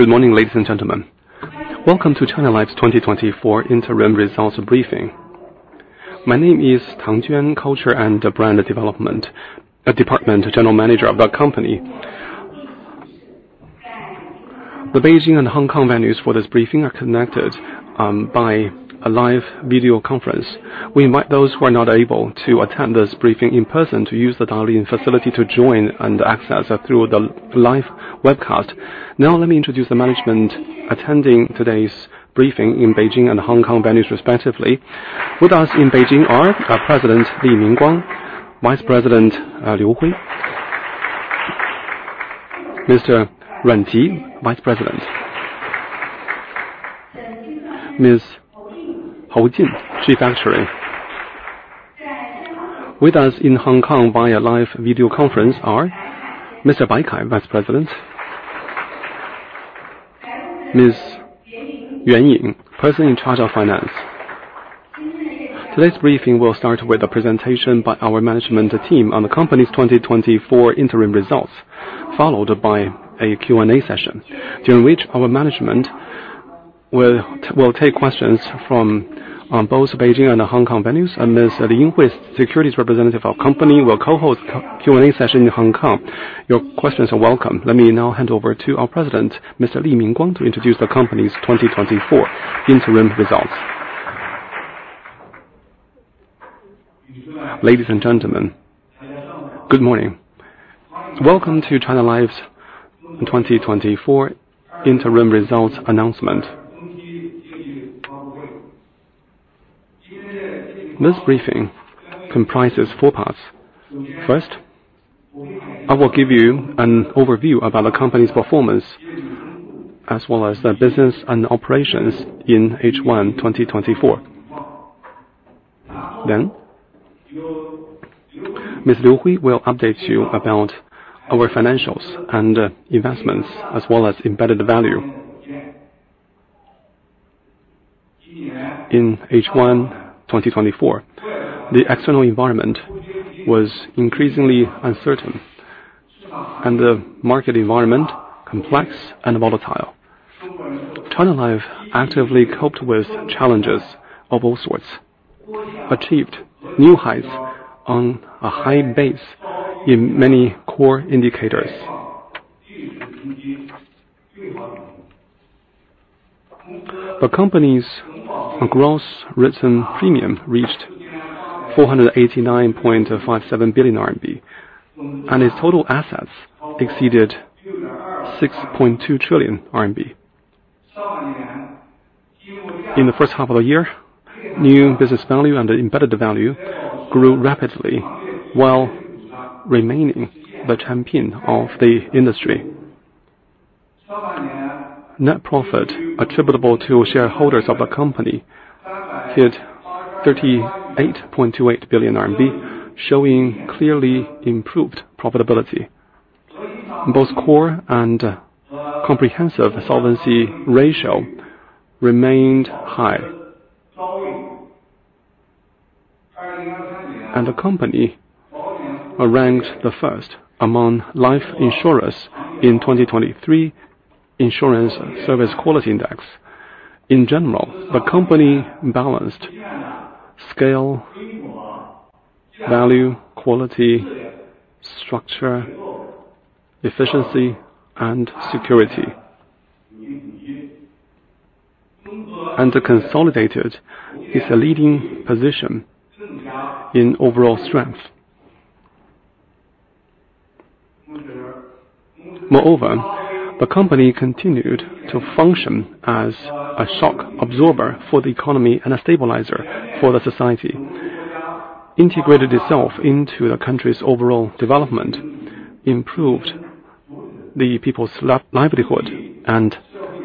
Good morning, ladies and gentlemen. Welcome to China Life's 2024 interim results briefing. My name is Tang Juan, Culture and Brand Development Department General Manager of the company. The Beijing and Hong Kong venues for this briefing are connected by a live video conference. We invite those who are not able to attend this briefing in person to use the dialing facility to join and access through the live webcast. Now, let me introduce the management attending today's briefing in Beijing and Hong Kong venues respectively. With us in Beijing are our President, Li Mingguang, Vice President Liu Hui. Mr. Ruan Qi, Vice President. Ms. Hou Jin, Chief Actuary. With us in Hong Kong via live video conference are Mr. Bai Kai, Vice President. Ms. Yuan Ying, Person in Charge of Finance. Today's briefing will start with a presentation by our management team on the company's 2024 interim results, followed by a Q&A session, during which our management will take questions from both Beijing and the Hong Kong venues, and Ms. Liu Hui, securities representative of company, will co-host Q&A session in Hong Kong. Your questions are welcome. Let me now hand over to our president, Mr. Li Mingguang, to introduce the company's 2024 interim results. Ladies and gentlemen, good morning. Welcome to China Life's 2024 interim results announcement. This briefing comprises four parts. First, I will give you an overview about the company's performance, as well as the business and operations in H1 2024. Then, Ms. Liu Hui will update you about our financials and investments, as well as embedded value. In H1 2024, the external environment was increasingly uncertain, and the market environment complex and volatile. China Life actively coped with challenges of all sorts, achieved new heights on a high base in many core indicators. The company's gross written premium reached 489.57 billion RMB, and its total assets exceeded 6.2 trillion RMB. In the first half of the year, new business value and the embedded value grew rapidly while remaining the champion of the industry. Net profit attributable to shareholders of the company hit 38.28 billion RMB, showing clearly improved profitability. Both core and comprehensive solvency ratios remained high, and the company ranks first among life insurers in 2023 Insurance Service Quality Index. In general, the company balanced scale, value, quality, structure, efficiency, and security, and consolidated its leading position in overall strength. Moreover, the company continued to function as a shock absorber for the economy and a stabilizer for the society, integrated itself into the country's overall development, improved the people's livelihood, and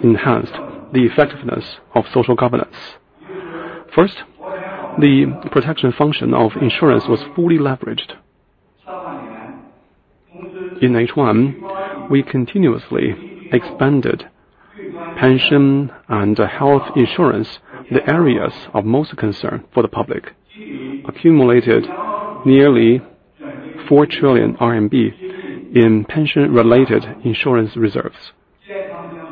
enhanced the effectiveness of social governance. First, the protection function of insurance was fully leveraged. In H1, we continuously expanded pension and health insurance, the areas of most concern for the public, accumulated nearly four trillion RMB in pension-related insurance reserves,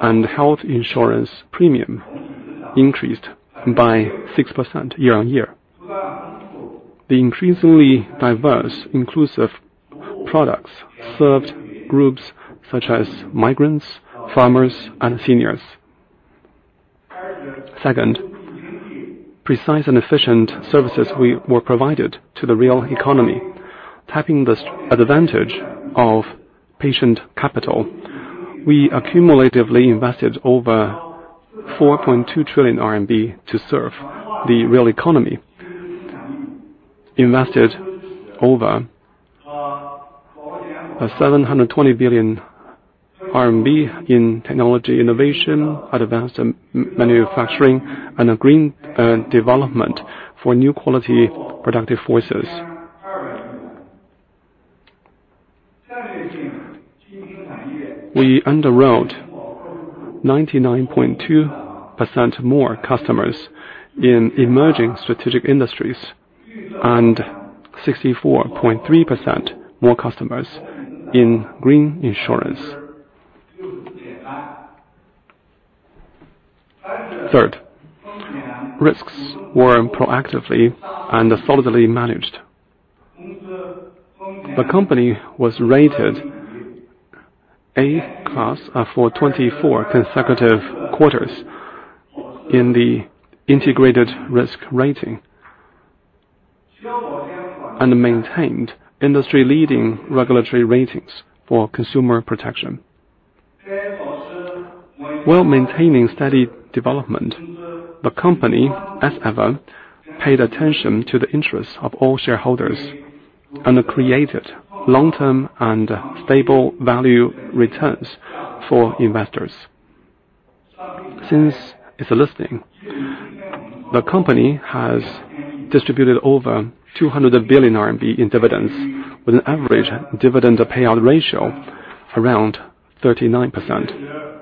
and health insurance premium increased by 6% year on year. The increasingly diverse inclusive products served groups such as migrants, farmers, and seniors. Second, precise and efficient services we were provided to the real economy. Tapping the advantage of patient capital, we accumulatively invested over 4.2 trillion RMB to serve the real economy. Invested over seven hundred and twenty billion RMB in technology innovation, advanced manufacturing, and a green development for new quality productive forces. We underwrote 99.2% more customers in emerging strategic industries and 64.3% more customers in green insurance. Third, risks were proactively and solidly managed. The company was rated A class for 24 consecutive quarters in the Integrated Risk Rating, and maintained industry-leading regulatory ratings for consumer protection. While maintaining steady development, the company, as ever, paid attention to the interests of all shareholders and created long-term and stable value returns for investors. Since its listing, the company has distributed over 200 billion RMB in dividends, with an average dividend payout ratio around 39%.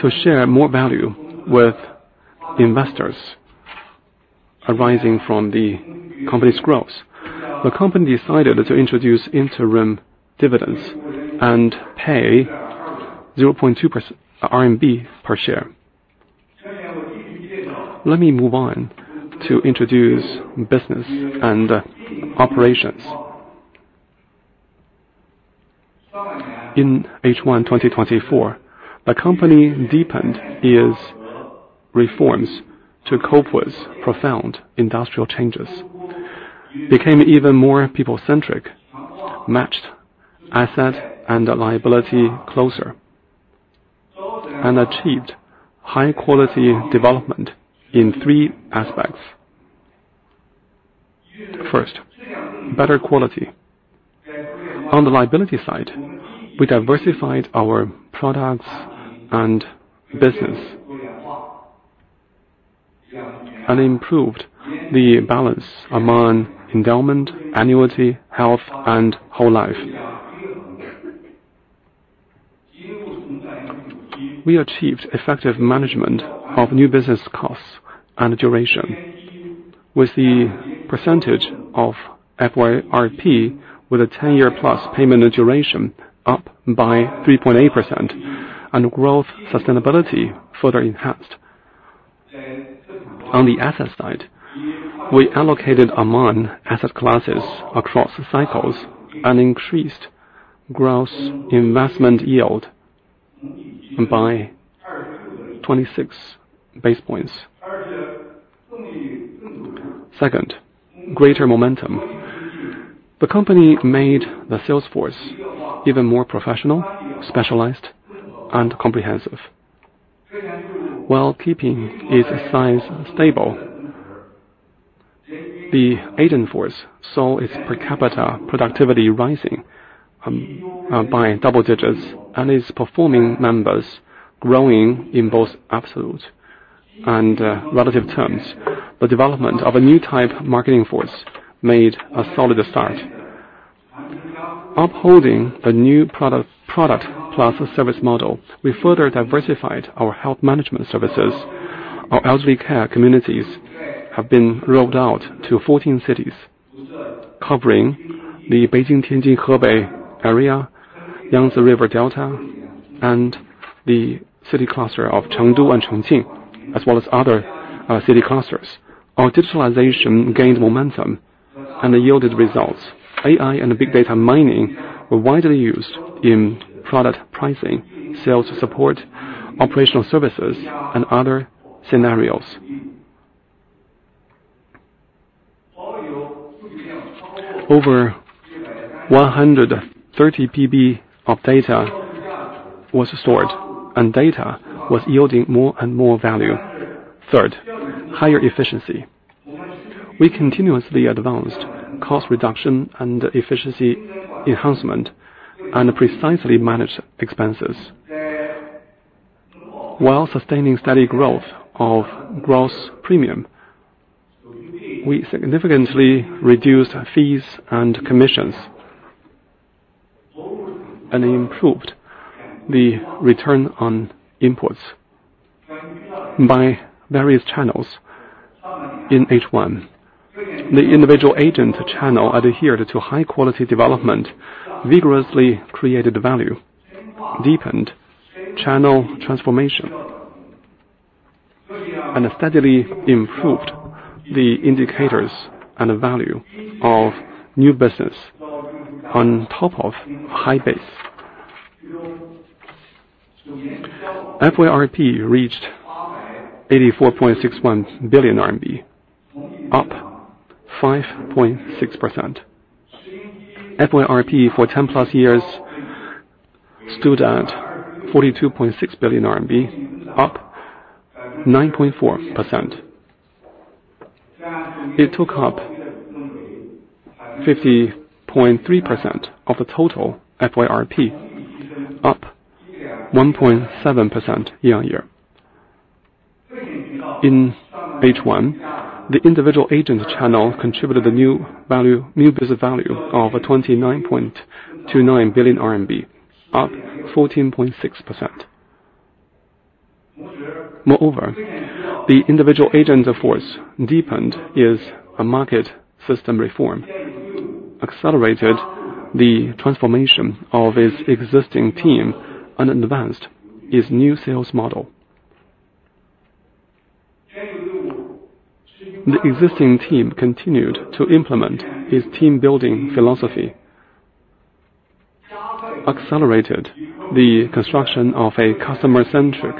To share more value with investors arising from the company's growth, the company decided to introduce interim dividends and pay 0.20 RMB per share. Let me move on to introduce business and operations. In H1 2024, the company deepened its reforms to cope with profound industrial changes, became even more people-centric, matched asset and liability closer, and achieved high-quality development in three aspects. First, better quality. On the liability side, we diversified our products and business, and improved the balance among endowment, annuity, health, and whole life. We achieved effective management of new business costs and duration, with the percentage of FYRP with a ten-year-plus payment duration up by 3.8% and growth sustainability further enhanced. On the asset side, we allocated among asset classes across the cycles and increased gross investment yield by 26 basis points. Second, greater momentum. The company made the sales force even more professional, specialized, and comprehensive. While keeping its size stable, the agent force saw its per capita productivity rising by double digits and its performing members growing in both absolute and relative terms. The development of a new type marketing force made a solid start. Upholding the new product, product plus service model, we further diversified our health management services. Our elderly care communities have been rolled out to fourteen cities, covering the Beijing-Tianjin-Hebei area, Yangtze River Delta, and the city cluster of Chengdu and Chongqing, as well as other city clusters. Our digitalization gained momentum and yielded results. AI and big data mining were widely used in product pricing, sales support, operational services, and other scenarios. Over 130 PB of data was stored, and data was yielding more and more value. Third, higher efficiency. We continuously advanced cost reduction and efficiency enhancement, and precisely managed expenses. While sustaining steady growth of gross premium, we significantly reduced fees and commissions and improved the return on inputs by various channels. In H1, the individual agent channel adhered to high quality development, vigorously created value, deepened channel transformation, and steadily improved the indicators and the value of new business on top of high base. FYRP reached RMB 84.61 billion, up 5.6%. FYRP for ten plus years stood at 42.6 billion RMB, up 9.4%. It took up 50.3% of the total FYRP, up 1.7% year on year. In H1, the individual agent channel contributed a new value, new business value of 29.29 billion RMB, up 14.6%.... Moreover, the individual agent force deepened is a market system reform, accelerated the transformation of its existing team, and advanced its new sales model. The existing team continued to implement its team-building philosophy, accelerated the construction of a customer-centric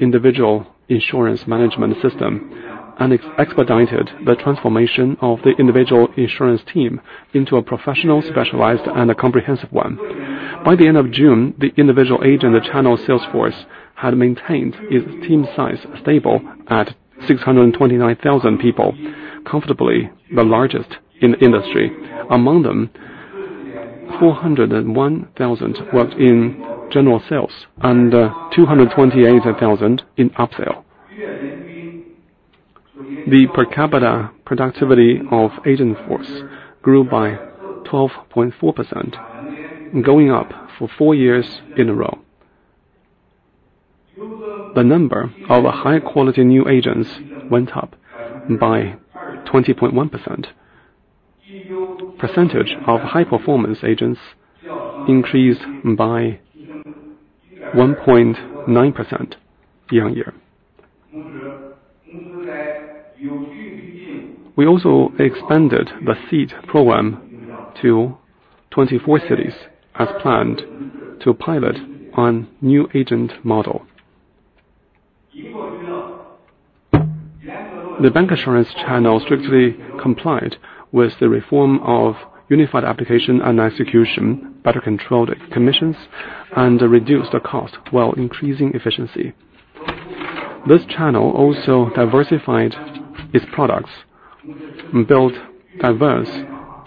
individual insurance management system, and expedited the transformation of the individual insurance team into a professional, specialized, and a comprehensive one. By the end of June, the individual agent and the channel sales force had maintained its team size stable at 629,000 people, comfortably the largest in the industry. Among them, 401,000 worked in general sales and 228,000 in upsell. The per capita productivity of agent force grew by 12.4%, going up for four years in a row. The number of high-quality new agents went up by 20.1%. Percentage of high-performance agents increased by 1.9% year-on-year. We also expanded the Seed Program to 24 cities as planned to pilot on new agent model. The bancassurance channel strictly complied with the reform of unified application and execution, better controlled commissions, and reduced the cost while increasing efficiency. This channel also diversified its products and built diverse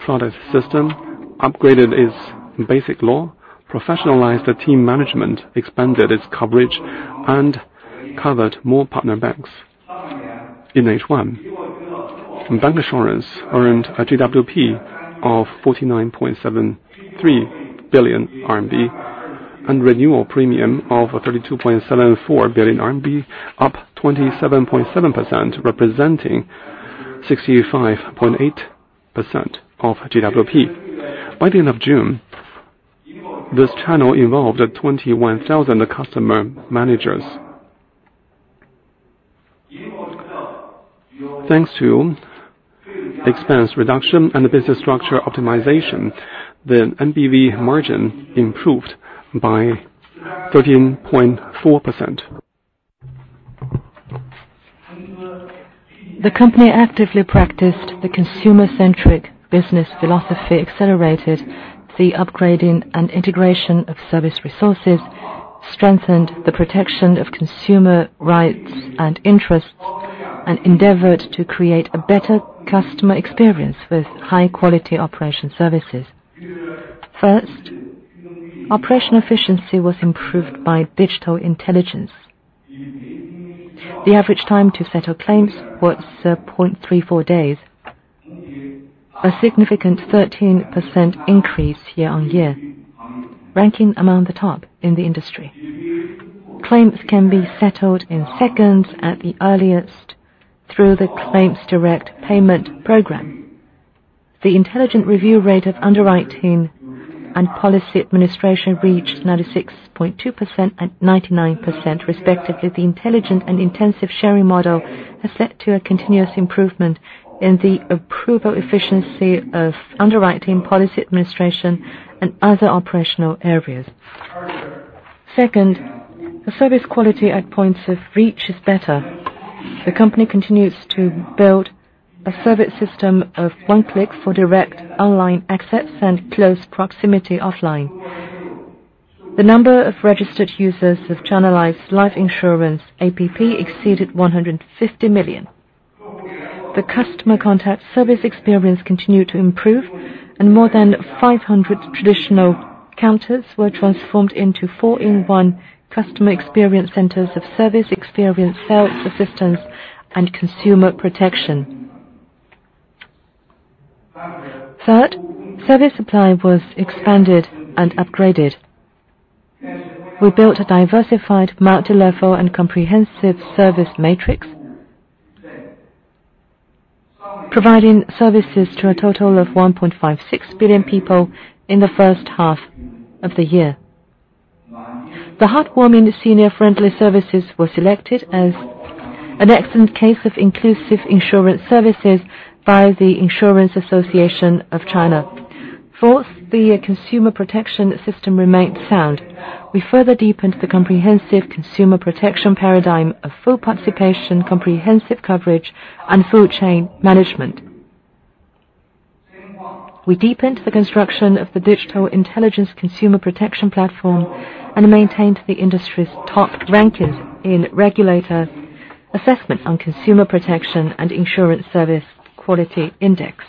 product system, upgraded its Basic Law, professionalized the team management, expanded its coverage, and covered more partner banks. In H1, bancassurance earned a GWP of 49.73 billion RMB, and renewal premium of 32.74 billion RMB, up 27.7%, representing 65.8% of GWP. By the end of June, this channel involved 21,000 customer managers. Thanks to expense reduction and the business structure optimization, the NBV margin improved by 13.4%. The company actively practiced the consumer-centric business philosophy, accelerated the upgrading and integration of service resources, strengthened the protection of consumer rights and interests, and endeavored to create a better customer experience with high-quality operation services. First, operation efficiency was improved by digital intelligence. The average time to settle claims was 0.34 days, a significant 13% increase year-on-year, ranking among the top in the industry. Claims can be settled in seconds at the earliest through the Claims Direct Payment program. The intelligent review rate of underwriting and policy administration reached 96.2% and 99%, respectively. The intelligent and intensive sharing model has led to a continuous improvement in the approval efficiency of underwriting, policy administration, and other operational areas. Second, the service quality at points of reach is better. The company continues to build a service system of one click for direct online access and close proximity offline. The number of registered users of China Life Insurance App exceeded 150 million. The customer contact service experience continued to improve, and more than 500 traditional counters were transformed into four-in-one customer experience centers of service, experience, sales, assistance, and consumer protection. Third, service supply was expanded and upgraded. We built a diversified multi-level and comprehensive service matrix, providing services to a total of 1.56 billion people in the first half of the year. The heartwarming senior-friendly services were selected as an excellent case of inclusive insurance services by the Insurance Association of China. Fourth, the consumer protection system remained sound. We further deepened the comprehensive consumer protection paradigm of full participation, comprehensive coverage, and full chain management. We deepened the construction of the digital intelligence consumer protection platform and maintained the industry's top ranking in regulator assessment on consumer protection and insurance service quality index.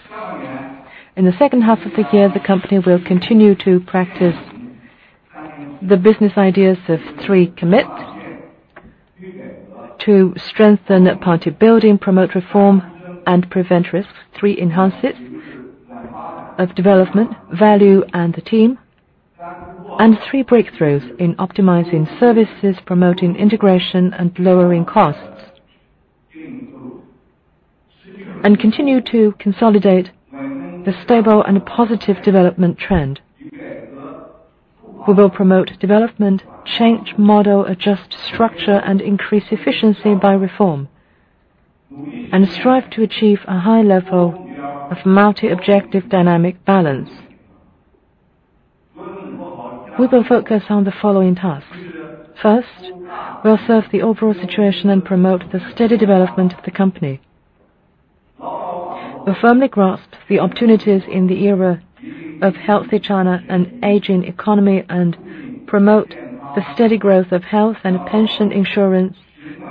In the second half of the year, the company will continue to practice the business ideas of three commits: to strengthen party building, promote reform, and prevent risks. Three enhances:... of development, value, and the team, and three breakthroughs in optimizing services, promoting integration, and lowering costs and continue to consolidate the stable and positive development trend. We will promote development, change model, adjust structure, and increase efficiency by reform, and strive to achieve a high level of multi-objective dynamic balance. We will focus on the following tasks. First, we'll assess the overall situation and promote the steady development of the company. We'll firmly grasp the opportunities in the era of Healthy China and aging economy, and promote the steady growth of health and pension insurance,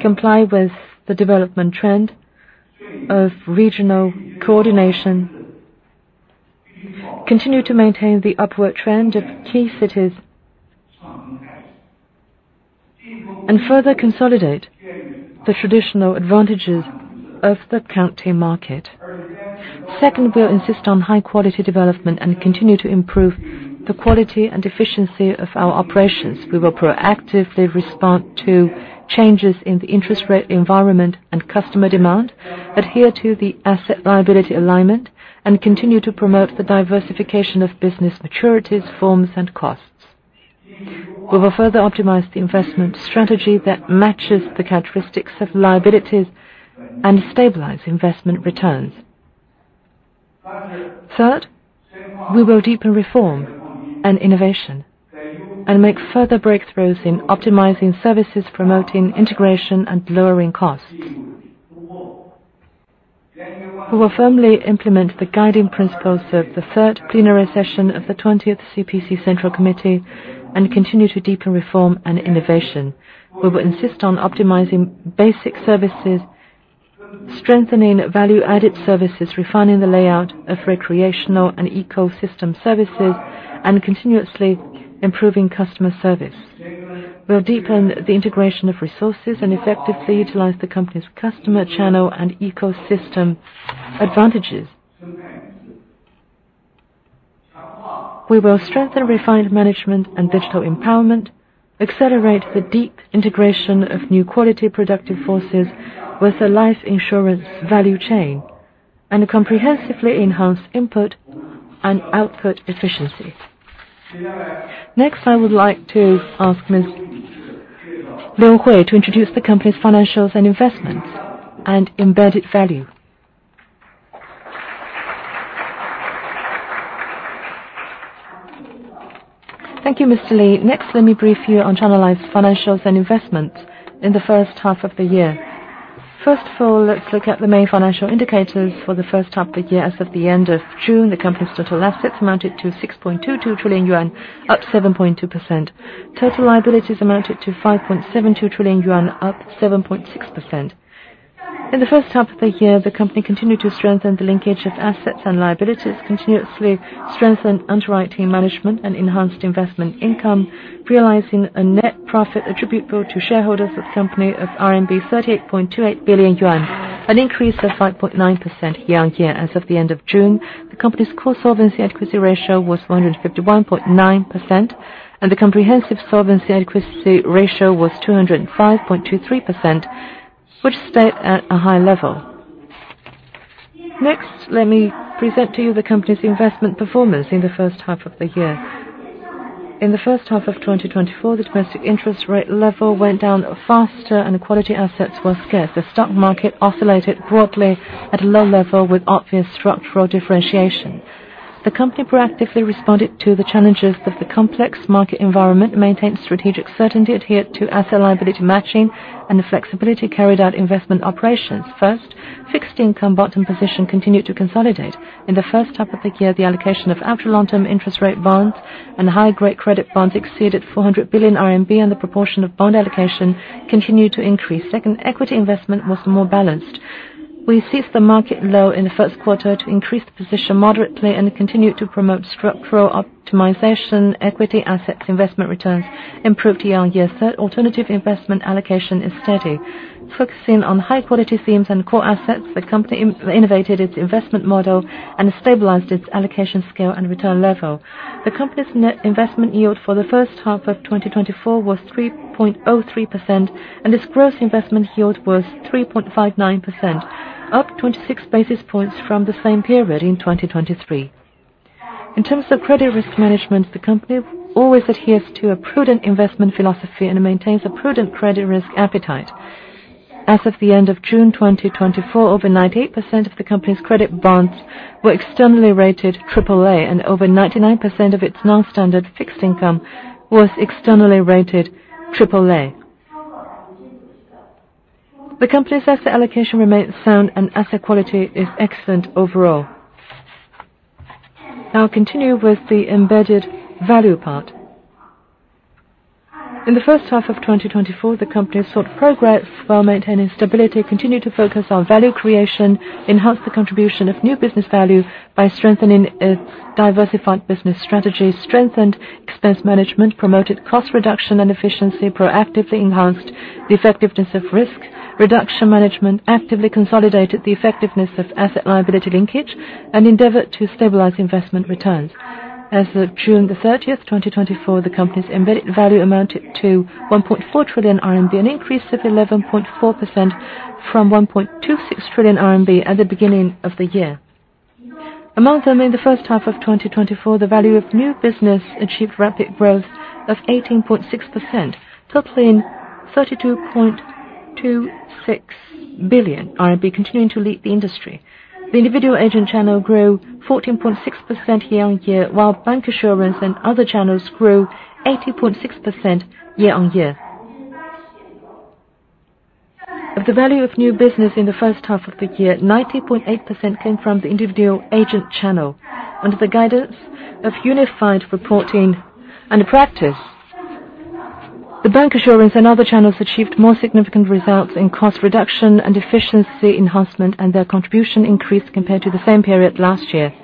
comply with the development trend of regional coordination, continue to maintain the upward trend of key cities, and further consolidate the traditional advantages of the county market. Second, we'll insist on high-quality development and continue to improve the quality and efficiency of our operations. We will proactively respond to changes in the interest rate environment and customer demand, adhere to the asset liability alignment, and continue to promote the diversification of business maturities, forms, and costs. We will further optimize the investment strategy that matches the characteristics of liabilities and stabilize investment returns. Third, we will deepen reform and innovation, and make further breakthroughs in optimizing services, promoting integration, and lowering costs. We will firmly implement the guiding principles of the third plenary session of the twentieth CPC Central Committee and continue to deepen reform and innovation. We will insist on optimizing basic services, strengthening value-added services, refining the layout of recreational and ecosystem services, and continuously improving customer service. We'll deepen the integration of resources and effectively utilize the company's customer channel and ecosystem advantages. We will strengthen refined management and digital empowerment, accelerate the deep integration of new quality productive forces with the life insurance value chain, and comprehensively enhance input and output efficiency. Next, I would like to ask Ms. Liu Hui to introduce the company's financials and investments and embedded value. Thank you, Mr. Li. Next, let me brief you on China Life's financials and investments in the first half of the year. First of all, let's look at the main financial indicators for the first half of the year. As of the end of June, the company's total assets amounted to 6.22 trillion yuan, up 7.2%. Total liabilities amounted to 5.72 trillion yuan, up 7.6%. In the first half of the year, the company continued to strengthen the linkage of assets and liabilities, continuously strengthened underwriting management, and enhanced investment income, realizing a net profit attributable to shareholders of the company of 38.28 billion yuan, an increase of 5.9% year-on-year. As of the end of June, the company's core solvency adequacy ratio was 151.9%, and the comprehensive solvency adequacy ratio was 205.23%, which stayed at a high level. Next, let me present to you the company's investment performance in the first half of the year. In the first half of 2024, the domestic interest rate level went down faster and quality assets were scarce. The stock market oscillated broadly at a low level with obvious structural differentiation. The company proactively responded to the challenges of the complex market environment, maintained strategic certainty, adhered to asset liability matching and flexibly carried out investment operations. First, fixed income bottom position continued to consolidate. In the first half of the year, the allocation of ultra-long-term interest rate bonds and high-grade credit bonds exceeded 400 billion RMB, and the proportion of bond allocation continued to increase. Second, equity investment was more balanced. We seized the market low in the first quarter to increase the position moderately and continued to promote structural optimization. Equity assets investment returns improved year on year. Third, alternative investment allocation is steady. Focusing on high-quality themes and core assets, the company innovated its investment model and stabilized its allocation scale and return level. The company's net investment yield for the first half of 2024 was 3.03%, and its gross investment yield was 3.59%, up 26 basis points from the same period in 2023. In terms of credit risk management, the company always adheres to a prudent investment philosophy and maintains a prudent credit risk appetite. As of the end of June 2024, over 98% of the company's credit bonds were externally rated AAA, and over 99% of its non-standard fixed income was externally rated AAA. The company's asset allocation remains sound and asset quality is excellent overall. I'll continue with the embedded value part. In the first half of twenty twenty-four, the company sought progress while maintaining stability, continued to focus on value creation, enhanced the contribution of new business value by strengthening its diversified business strategy, strengthened expense management, promoted cost reduction and efficiency, proactively enhanced the effectiveness of risk reduction management, actively consolidated the effectiveness of asset liability linkage, and endeavored to stabilize investment returns. As of June the thirtieth, 2024, the company's embedded value amounted to 1.4 trillion RMB, an increase of 11.4% from 1.26 trillion RMB at the beginning of the year. Among them, in the first half of 2024, the value of new business achieved rapid growth of 18.6%, totaling 32.26 billion RMB, continuing to lead the industry. The individual agent channel grew 14.6% year-on-year, while bancassurance and other channels grew 80.6% year-on-year. Of the value of new business in the first half of the year, 90.8% came from the individual agent channel. Under the guidance of Unified Reporting and Practice, the bancassurance and other channels achieved more significant results in cost reduction and efficiency enhancement, and their contribution increased compared to the same period last year.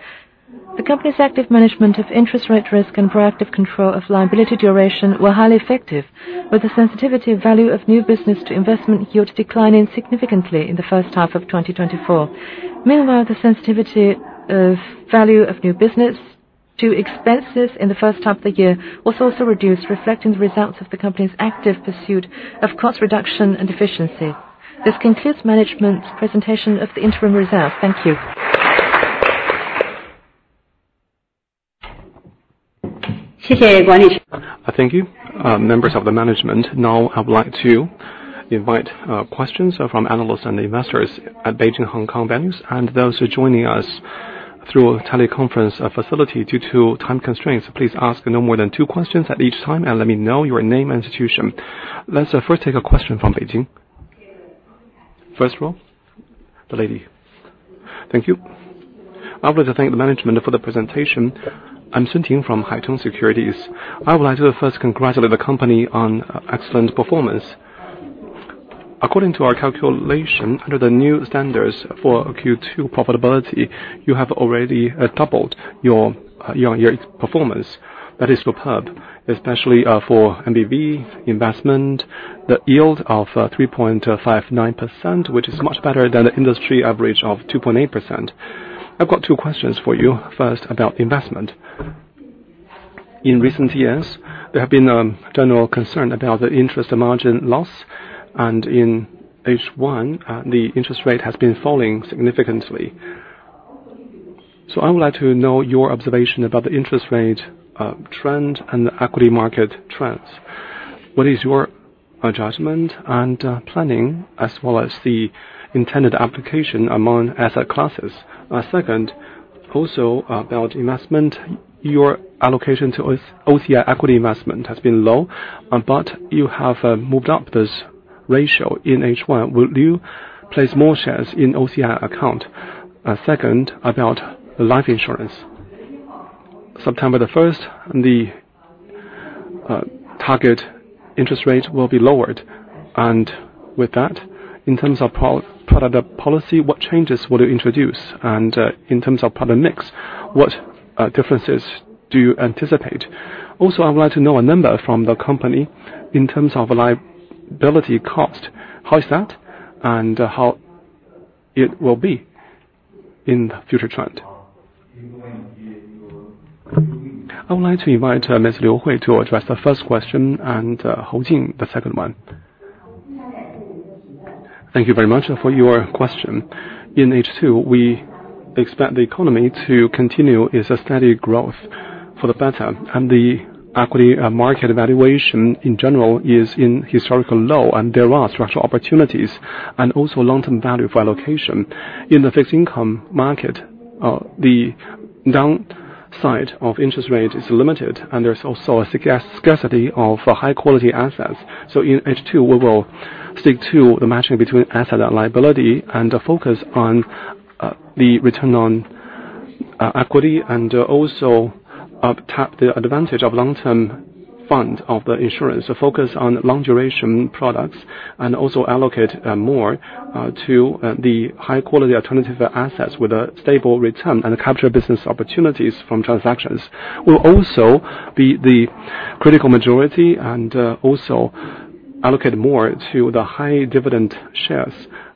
The company's active management of interest rate risk and proactive control of liability duration were highly effective, with the sensitivity value of new business to investment yield declining significantly in the first half of 2024. Meanwhile, the sensitivity of value of new business to expenses in the first half of the year was also reduced, reflecting the results of the company's active pursuit of cost reduction and efficiency. This concludes management's presentation of the interim results. Thank you. Thank you, members of the management. Now, I would like to invite questions from analysts and investors at Beijing, Hong Kong venues, and those who are joining us through a teleconference facility. Due to time constraints, please ask no more than two questions at each time, and let me know your name and institution. Let's first take a question from Beijing. First row, the lady. Thank you. I would like to thank the management for the presentation. I'm Sun Ting from Haitong Securities. I would like to first congratulate the company on excellent performance. According to our calculation, under the new standards for Q2 profitability, you have already doubled your year's performance. That is superb, especially for NBV investment, the yield of 3.59%, which is much better than the industry average of 2.8%. I've got two questions for you. First, about investment. In recent years, there have been general concern about the interest and margin loss, and in H1, the interest rate has been falling significantly. So I would like to know your observation about the interest rate trend and the equity market trends. What is your judgment and planning, as well as the intended application among asset classes? Second, also about investment. Your allocation to OCI equity investment has been low, but you have moved up this ratio in H1. Will you place more shares in OCI account? Second, about the life insurance. September the first, the target interest rate will be lowered, and with that, in terms of product policy, what changes will you introduce? And, in terms of product mix, what differences do you anticipate? Also, I would like to know a number from the company in terms of liability cost. How is that, and how it will be in the future trend? I would like to invite Ms. Liu Hui to address the first question, and Hou Jin, the second one. Thank you very much for your question. In H2, we expect the economy to continue its steady growth for the better, and the equity market valuation in general is in historical low, and there are structural opportunities and also long-term value for allocation. In the fixed income market, the downside of interest rate is limited, and there's also a scarcity of high-quality assets. So in H2, we will stick to the matching between asset and liability, and focus on the return on equity, and also tap the advantage of long-term fund of the insurance, so focus on long-duration products, and also allocate more to the high-quality alternative assets with a stable return and capture business opportunities from transactions. We'll also be the critical majority and also allocate more to the high dividend shares,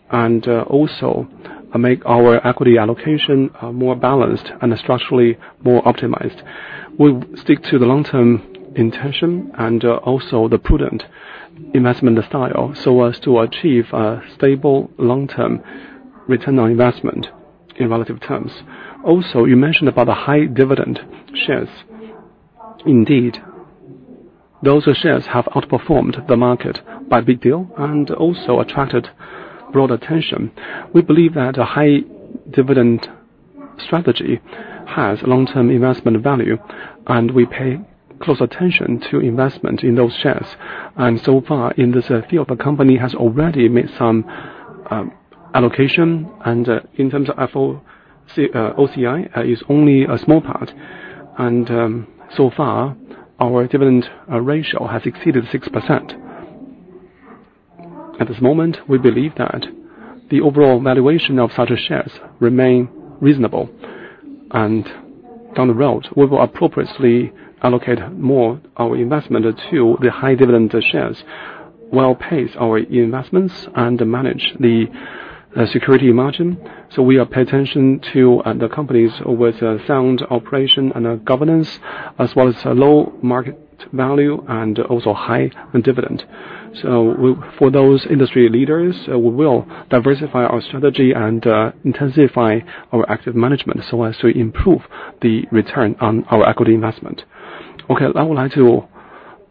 and also make our equity allocation more balanced and structurally more optimized. We'll stick to the long-term intention and also the prudent investment style, so as to achieve a stable long-term return on investment in relative terms. Also, you mentioned about the high dividend shares. Indeed, those shares have outperformed the market by a big deal and also attracted broad attention. We believe that a high dividend strategy has long-term investment value, and we pay close attention to investment in those shares, and so far in this field, the company has already made some allocation, and in terms of OCI, OCI is only a small part, and so far, our dividend ratio has exceeded 6%. At this moment, we believe that the overall valuation of such shares remain reasonable. And down the road, we will appropriately allocate more our investment to the high dividend shares. Well pace our investments and manage the security margin. So we are pay attention to the companies with a sound operation and a governance, as well as a low market value and also high in dividend. So for those industry leaders, we will diversify our strategy and intensify our active management so as to improve the return on our equity investment. Okay. I would like to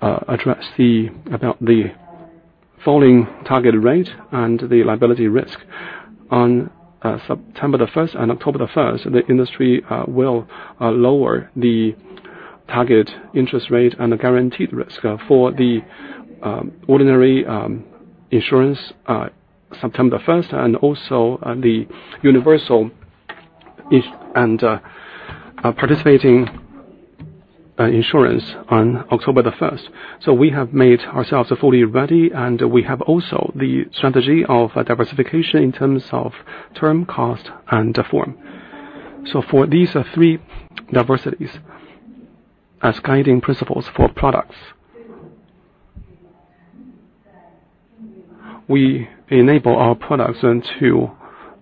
address the about the falling target rate and the liability risk. On September the 1st and October the 1st, the industry will lower the target interest rate and the guaranteed risk. For the ordinary insurance September 1st, and also the universal insurance and participating insurance on October the 1st. We have made ourselves fully ready, and we have also the strategy of diversification in terms of term, cost, and form. For these three diversities, as guiding principles for products, we enable our products then to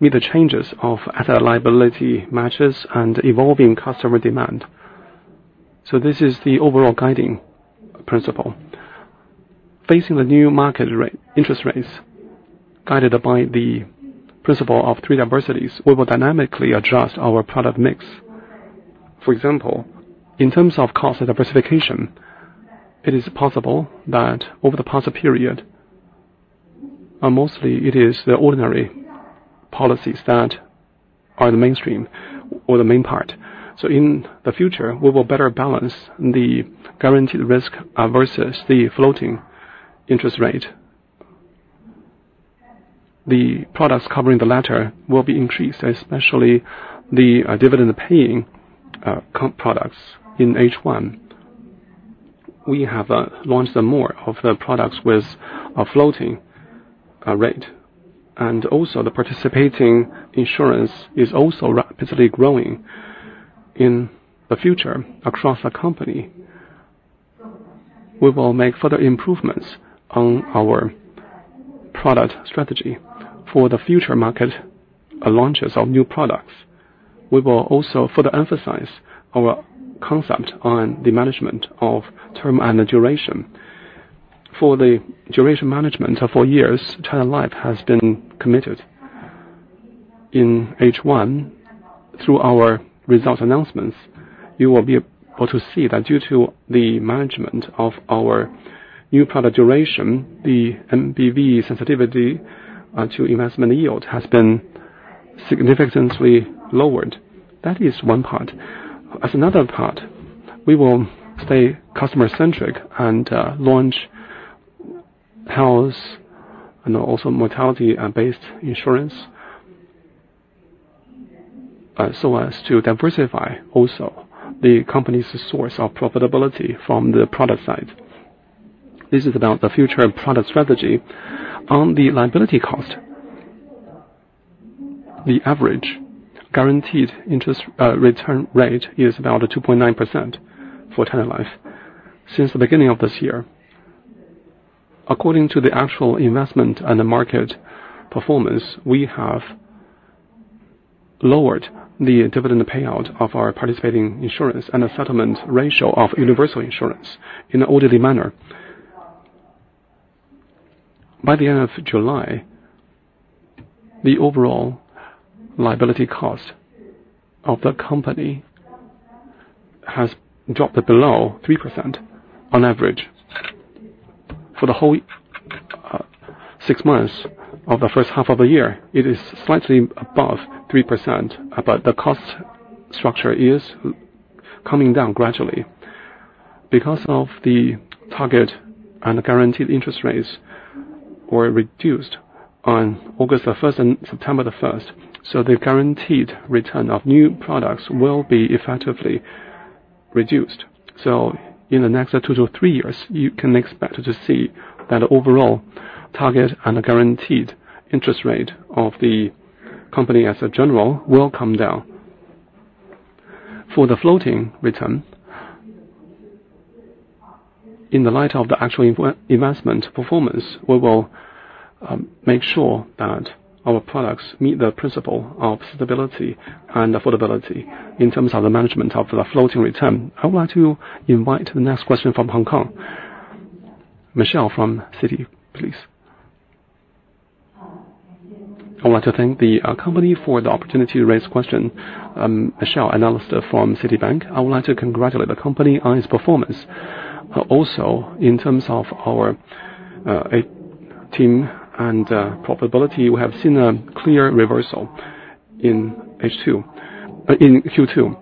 meet the changes of asset liability matches and evolving customer demand. This is the overall guiding principle. Facing the new market rate, interest rates, guided by the principle of three diversities, we will dynamically adjust our product mix. For example, in terms of cost diversification, it is possible that over the past period, and mostly it is the ordinary policies that are the mainstream or the main part. In the future, we will better balance the guaranteed risk versus the floating interest rate. The products covering the latter will be increased, especially the dividend-paying comp products. In H1, we have launched some more of the products with a floating rate, and also the participating insurance is also rapidly growing. In the future, across the company, we will make further improvements on our product strategy. For the future market launches of new products, we will also further emphasize our concept on the management of term and the duration. For the duration management, for years, China Life has been committed. In H1, through our results announcements, you will be able to see that due to the management of our new product duration, the NBV sensitivity to investment yield has been significantly lowered. That is one part. As another part, we will stay customer-centric and launch health and also mortality based insurance so as to diversify also the company's source of profitability from the product side. This is about the future product strategy. On the liability cost, the average guaranteed interest return rate is about 2.9% for China Life. Since the beginning of this year, according to the actual investment and the market performance, we have lowered the dividend payout of our participating insurance and the settlement ratio of universal insurance in an orderly manner. By the end of July, the overall liability cost of the company has dropped below 3% on average. For the whole six months of the first half of the year, it is slightly above 3%, but the cost structure is coming down gradually. Because of the target and guaranteed interest rates were reduced on August the 1st and September the 1st, so the guaranteed return of new products will be effectively reduced, so in the next two to three years, you can expect to see that the overall target and guaranteed interest rate of the company as a general will come down. For the floating return, in the light of the actual investment performance, we will make sure that our products meet the principle of stability and affordability in terms of the management of the floating return. I would like to invite the next question from Hong Kong. Michelle from Citi, please. I would like to thank the company for the opportunity to raise question. I'm Michelle, analyst from Citibank. I would like to congratulate the company on its performance. But also, in terms of our team and profitability, we have seen a clear reversal in H2 in Q2.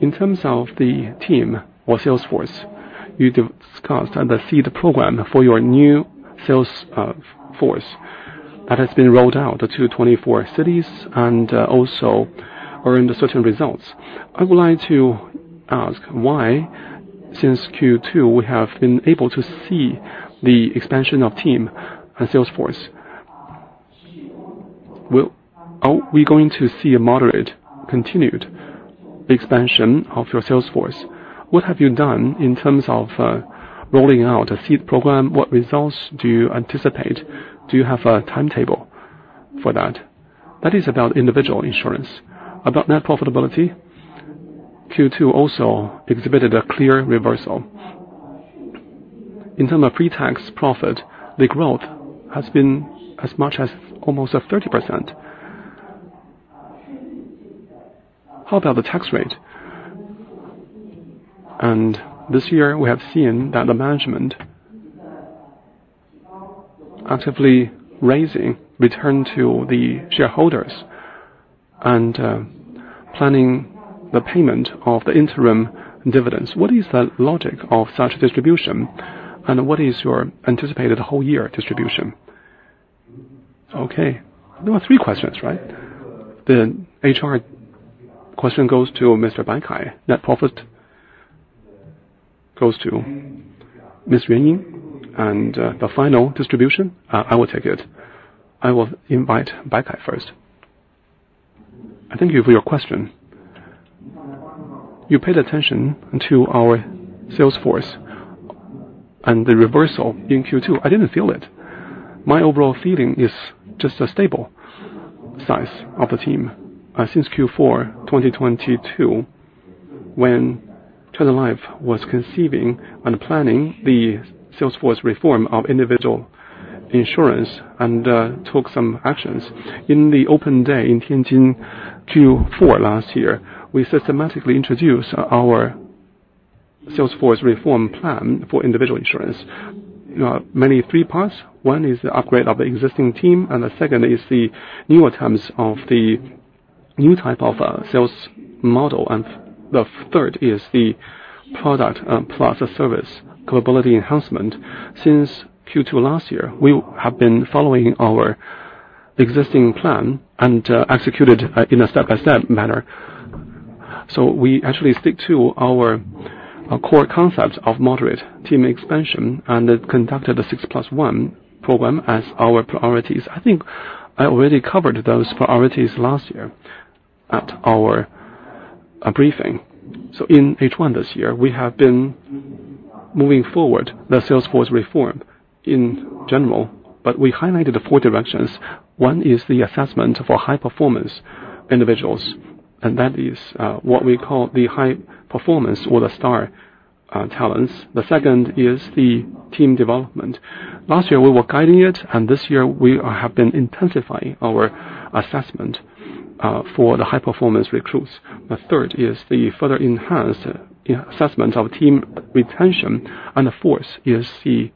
In terms of the team or sales force, you discussed the Seed Program for your new sales force that has been rolled out to 24 cities and also earned certain results. I would like to ask why, since Q2, we have been able to see the expansion of team and sales force? Well, are we going to see a moderate continued expansion of your sales force? What have you done in terms of rolling out a Seed Program? What results do you anticipate? Do you have a timetable for that? That is about individual insurance. About net profitability, Q2 also exhibited a clear reversal. In terms of pre-tax profit, the growth has been as much as almost 30%. How about the tax rate? And this year, we have seen that the management actively raising return to the shareholders and planning the payment of the interim dividends. What is the logic of such distribution, and what is your anticipated whole year distribution? Okay. There were three questions, right? The HR question goes to Mr. Bai Kai. Net profit goes to Ms. Yuan Ying, and the final distribution, I will take it. I will invite Bai Kai first. Thank you for your question. You paid attention to our sales force and the reversal in Q2. I didn't feel it. My overall feeling is just a stable size of the team. Since Q4, 2022, when China Life was conceiving and planning the sales force reform of individual insurance and took some actions. In the open day in Tianjin, Q4 last year, we systematically introduced our sales force reform plan for individual insurance. Mainly three parts. One is the upgrade of the existing team, and the second is the newer terms of the new type of sales model, and the third is the product plus the service capability enhancement. Since Q2 last year, we have been following our existing plan and executed in a step-by-step manner. So we actually stick to our core concepts of moderate team expansion, and then conducted a six plus one program as our priorities. I think I already covered those priorities last year at our briefing. So in H1 this year, we have been moving forward the sales force reform in general, but we highlighted the four directions. One is the assessment for high-performance individuals, and that is what we call the high performance or the star talents. The second is the team development. Last year, we were guiding it, and this year we have been intensifying our assessment for the high-performance recruits. The third is the further enhanced assessment of team retention, and the fourth is the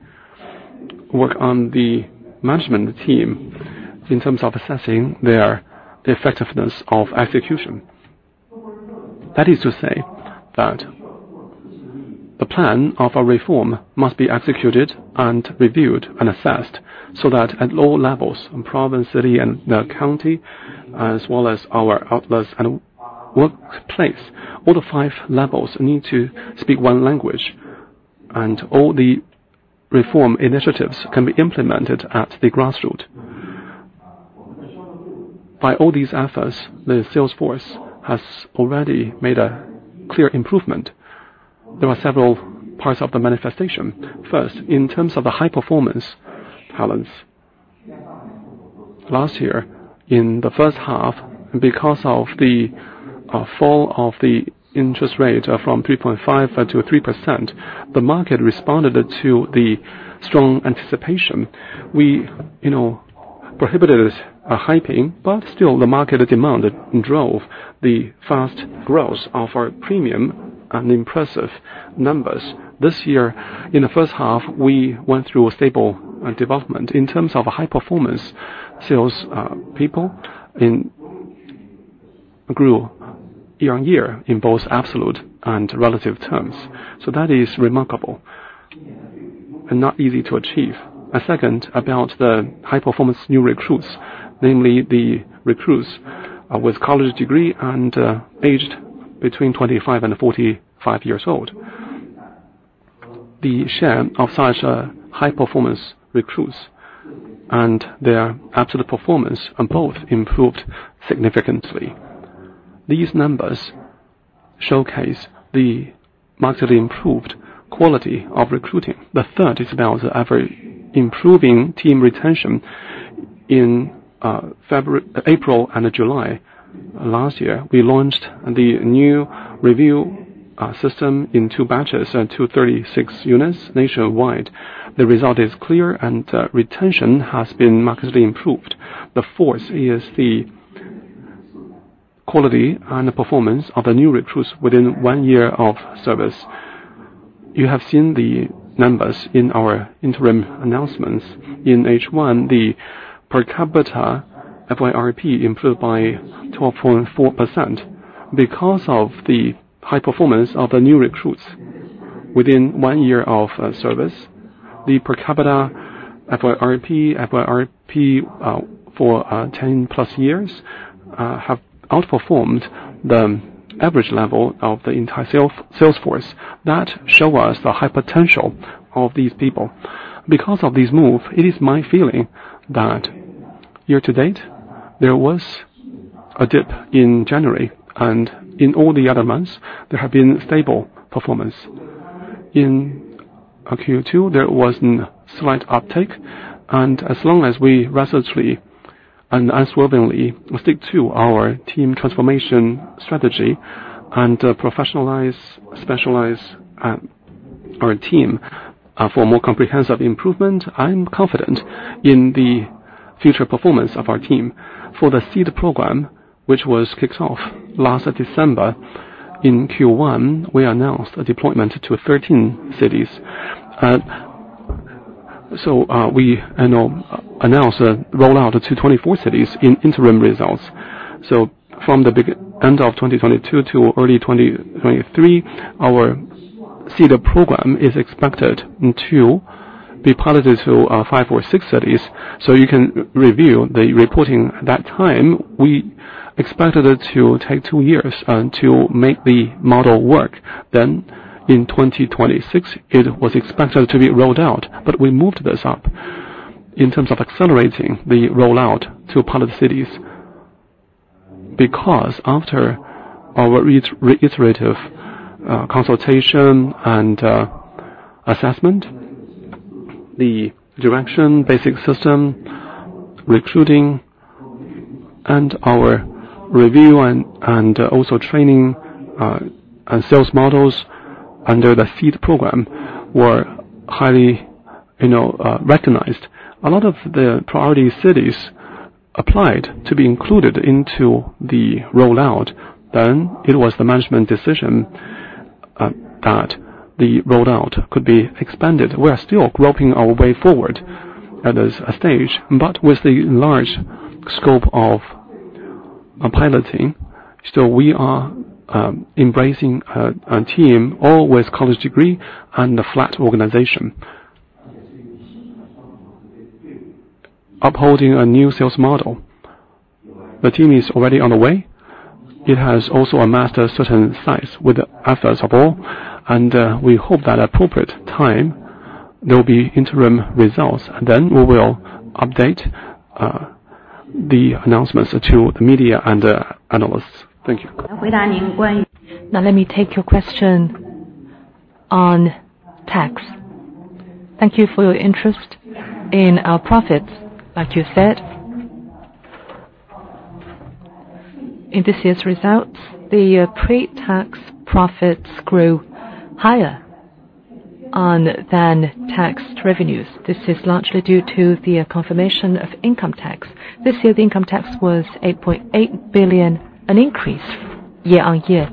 work on the management team in terms of assessing their effectiveness of execution. That is to say, that the plan of our reform must be executed and reviewed and assessed, so that at all levels, in province, city, and the county, as well as our outlets and workplace, all the five levels need to speak one language, and all the reform initiatives can be implemented at the grassroots. By all these efforts, the sales force has already made a clear improvement. There are several parts of the manifestation. First, in terms of the high-performance talents, last year, in the first half, because of the fall of the interest rate from 3.5%-3%, the market responded to the strong anticipation. We, you know, prohibited a hyping, but still the market demand drove the fast growth of our premium and impressive numbers. This year, in the first half, we went through a stable development. In terms of high-performance sales people grew year on year in both absolute and relative terms. So that is remarkable and not easy to achieve. A second, about the high-performance new recruits, namely the recruits with college degree and aged between 25 and 45 years old. The share of such a high-performance recruits and their absolute performance both improved significantly. These numbers showcase the markedly improved quality of recruiting. The third is about the ever-improving team retention. In April and July last year, we launched the new review system in two batches, 236 units nationwide. The result is clear, and retention has been markedly improved. The fourth is the quality and the performance of the new recruits within one year of service. You have seen the numbers in our interim announcements. In H1, the per capita FYRP improved by 12.4% because of the high performance of the new recruits. Within one year of service, the per capita FYRP for ten plus years have outperformed the average level of the entire sales force. That show us the high potential of these people. Because of this move, it is my feeling that year-to-date, there was a dip in January, and in all the other months, there have been stable performance. In Q2, there was a slight uptick, and as long as we resolutely and unswervingly stick to our team transformation strategy and professionalize, specialize our team for more comprehensive improvement, I'm confident in the future performance of our team. For the seed program, which kicked off last December, in Q1, we announced a deployment to thirteen cities. So we announced a rollout to twenty-four cities in interim results. So from the end of 2022 to early 2023, our seed program is expected to be piloted to five or six cities. So you can review the reporting. At that time, we expected it to take two years to make the model work. Then in 2026, it was expected to be rolled out, but we moved this up in terms of accelerating the rollout to pilot cities. Because after our iterative consultation and assessment, the direction, basic system, recruiting, and our review and also training and sales models under the Seed Program were highly, you know, recognized. A lot of the priority cities applied to be included into the rollout. Then it was the management decision that the rollout could be expanded. We are still groping our way forward at this stage, but with the large scope of piloting, so we are embracing a team all with college degree and a flat organization. Upholding a new sales model. The team is already on the way. It has also amassed a certain size with the efforts of all, and we hope that appropriate time, there will be interim results, and then we will update the announcements to the media and analysts. Thank you. Now, let me take your question on tax. Thank you for your interest in our profits. Like you said, in this year's results, the pre-tax profits grew higher on than taxed revenues. This is largely due to the confirmation of income tax. This year, the income tax was 8.8 billion, an increase year on year.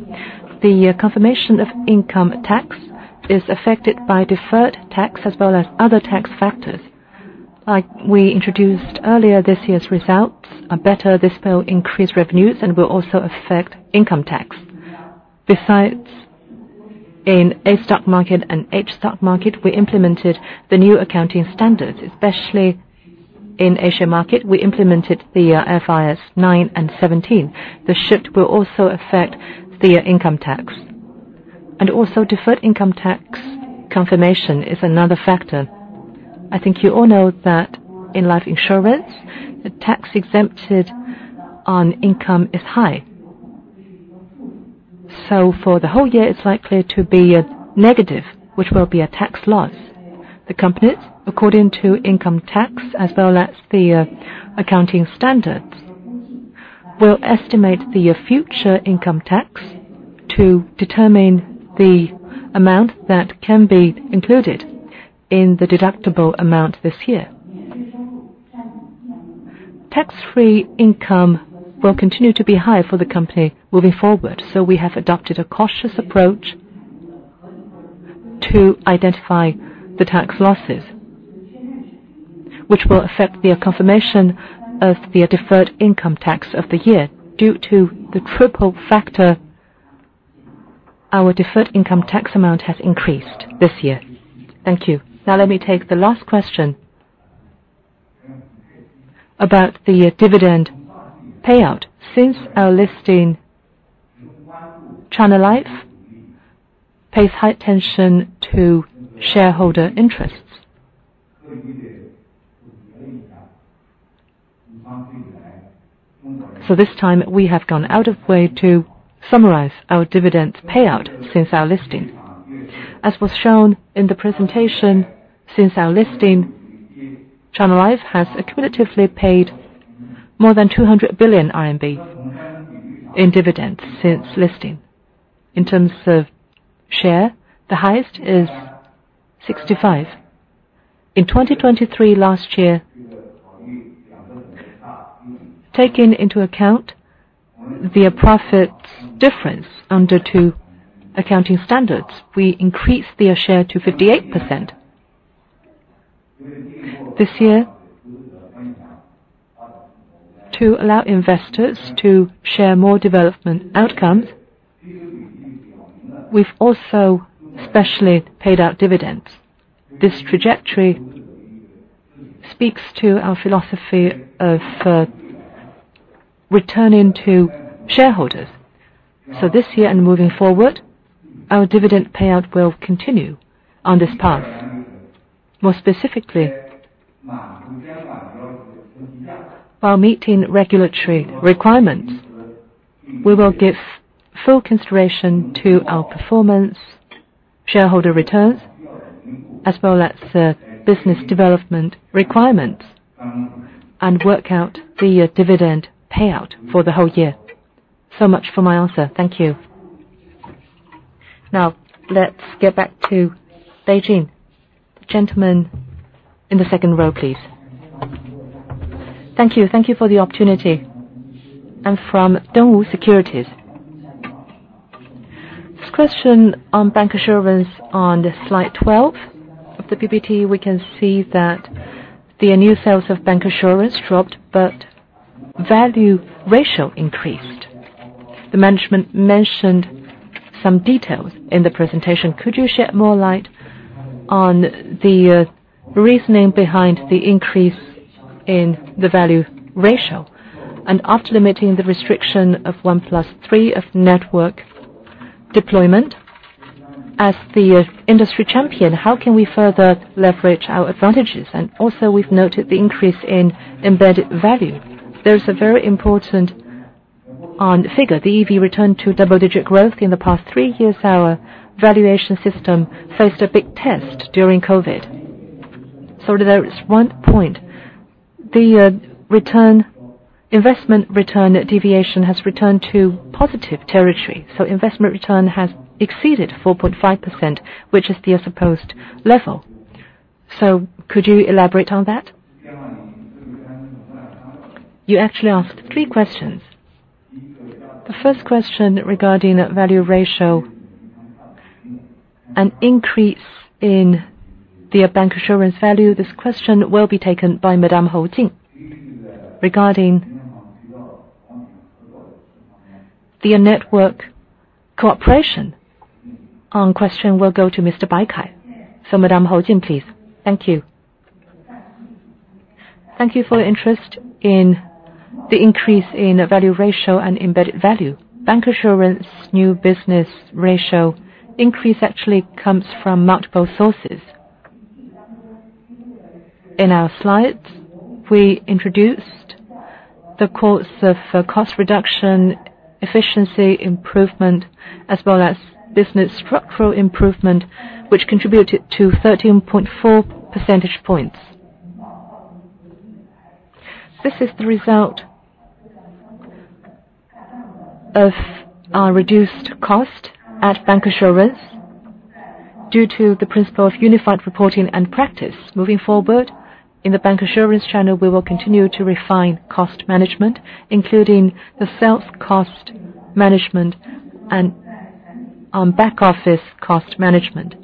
The confirmation of income tax is affected by deferred tax as well as other tax factors. Like we introduced earlier, this year's results are better. This will increase revenues and will also affect income tax. Besides, in A stock market and H stock market, we implemented the new accounting standards. Especially in A-share market, we implemented the IFRS 9 and 17. The shift will also affect the income tax. And also deferred income tax confirmation is another factor. I think you all know that in life insurance, the tax exempted on income is high. So for the whole year, it's likely to be negative, which will be a tax loss. The companies, according to income tax, as well as the accounting standards, will estimate the future income tax to determine the amount that can be included in the deductible amount this year. Tax-free income will continue to be high for the company moving forward, so we have adopted a cautious approach to identify the tax losses, which will affect the confirmation of the deferred income tax of the year. Due to the triple factor, our deferred income tax amount has increased this year. Thank you. Now, let me take the last question about the dividend payout. Since our listing, China Life pays high attention to shareholder interests. This time, we have gone out of our way to summarize our dividend payout since our listing. As was shown in the presentation, since our listing, China Life has accumulatively paid more than 200 billion RMB in dividends since listing. In terms of share, the highest is 65. In 2023 last year, taking into account the profits difference under two accounting standards, we increased the share to 58%. This year, to allow investors to share more development outcomes. We've also specially paid out dividends. This trajectory speaks to our philosophy of returning to shareholders. This year and moving forward, our dividend payout will continue on this path. More specifically, while meeting regulatory requirements, we will give full consideration to our performance, shareholder returns, as well as business development requirements, and work out the dividend payout for the whole year. So much for my answer. Thank you. Now, let's get back to Beijing. Gentlemen in the second row, please. Thank you. Thank you for the opportunity. I'm from Dongwu Securities. This question on bancassurance. On the slide 12 of the PPT, we can see that the annual sales of bancassurance dropped, but value ratio increased. The management mentioned some details in the presentation. Could you shed more light on the reasoning behind the increase in the value ratio? And after limiting the restriction of 1+3 of network deployment, as the industry champion, how can we further leverage our advantages? And also, we've noted the increase in embedded value. There's a very important one figure. The EV returned to double-digit growth in the past three years. Our valuation system faced a big test during COVID. So there is one point, the investment return deviation has returned to positive territory, so investment return has exceeded 4.5%, which is the supposed level. So could you elaborate on that? You actually asked three questions. The first question regarding value ratio, an increase in the bancassurance value, this question will be taken by Madam Hou Jin. Regarding the network cooperation question will go to Mr. Bai Kai. So Madam Hou Jin, please. Thank you. Thank you for your interest in the increase in value ratio and embedded value. Bancassurance new business ratio increase actually comes from multiple sources. In our slides, we introduced the sources of cost reduction, efficiency improvement, as well as business structural improvement, which contributed to 13.4 percentage points. This is the result of our reduced cost at bancassurance due to the principle of unified reporting and practice. Moving forward, in the bancassurance channel, we will continue to refine cost management, including the sales cost management and back office cost management.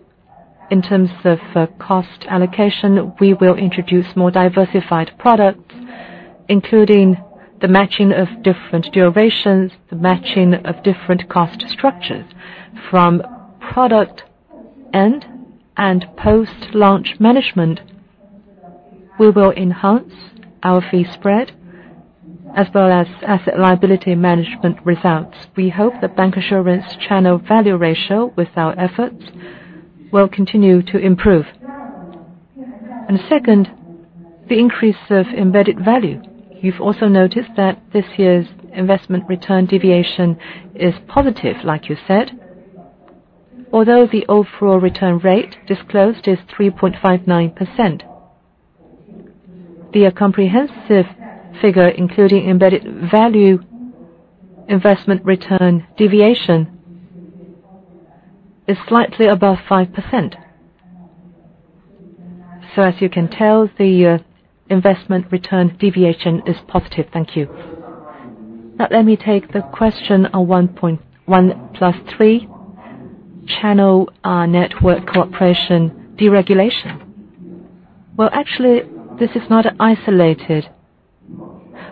In terms of cost allocation, we will introduce more diversified products, including the matching of different durations, the matching of different cost structures. From product end and post-launch management, we will enhance our fee spread as well as asset liability management results. We hope that bancassurance channel value ratio, with our efforts, will continue to improve, and second, the increase of embedded value. You've also noticed that this year's investment return deviation is positive, like you said. Although the overall return rate disclosed is 3.59%, the comprehensive figure, including embedded value, investment return deviation is slightly above 5%. So as you can tell, the investment return deviation is positive. Thank you. Now let me take the question on one point, 1+3 channel network cooperation deregulation. Well, actually, this is not an isolated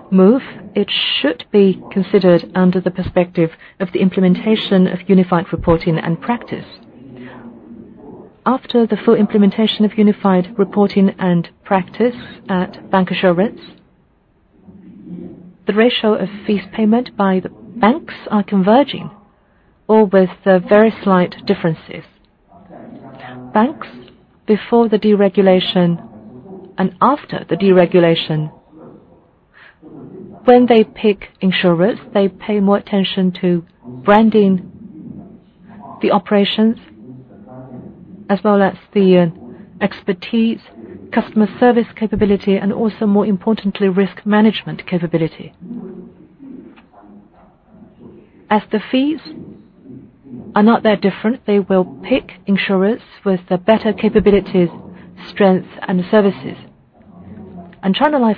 move. It should be considered under the perspective of the implementation of Unified Reporting and Practice. After the full implementation of Unified Reporting and Practice at bancassurance, the ratio of fees payment by the banks are converging, all with very slight differences. Banks, before the deregulation and after the deregulation, when they pick insurers, they pay more attention to branding the operations as well as the expertise, customer service capability, and also, more importantly, risk management capability. As the fees are not that different, they will pick insurers with the better capabilities, strengths, and services, and China Life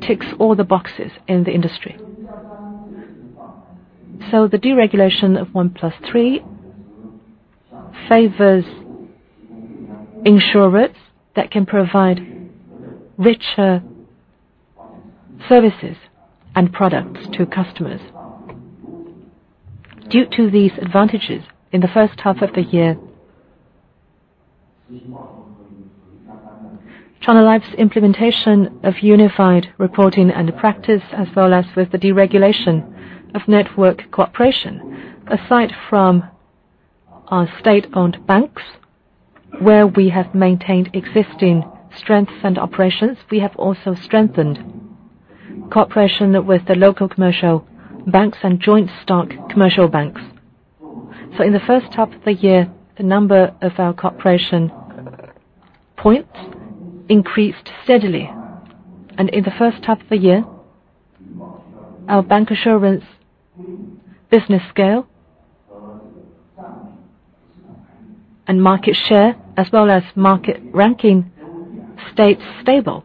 ticks all the boxes in the industry. So the deregulation of 1+3 favors insurers that can provide richer services and products to customers. Due to these advantages, in the first half of the year, China Life's implementation of unified reporting and practice, as well as with the deregulation of network cooperation, aside from our state-owned banks, where we have maintained existing strengths and operations, we have also strengthened cooperation with the local commercial banks and joint stock commercial banks. So in the first half of the year, the number of our cooperation points increased steadily. And in the first half of the year, our bank insurance business scale and market share, as well as market ranking, stayed stable.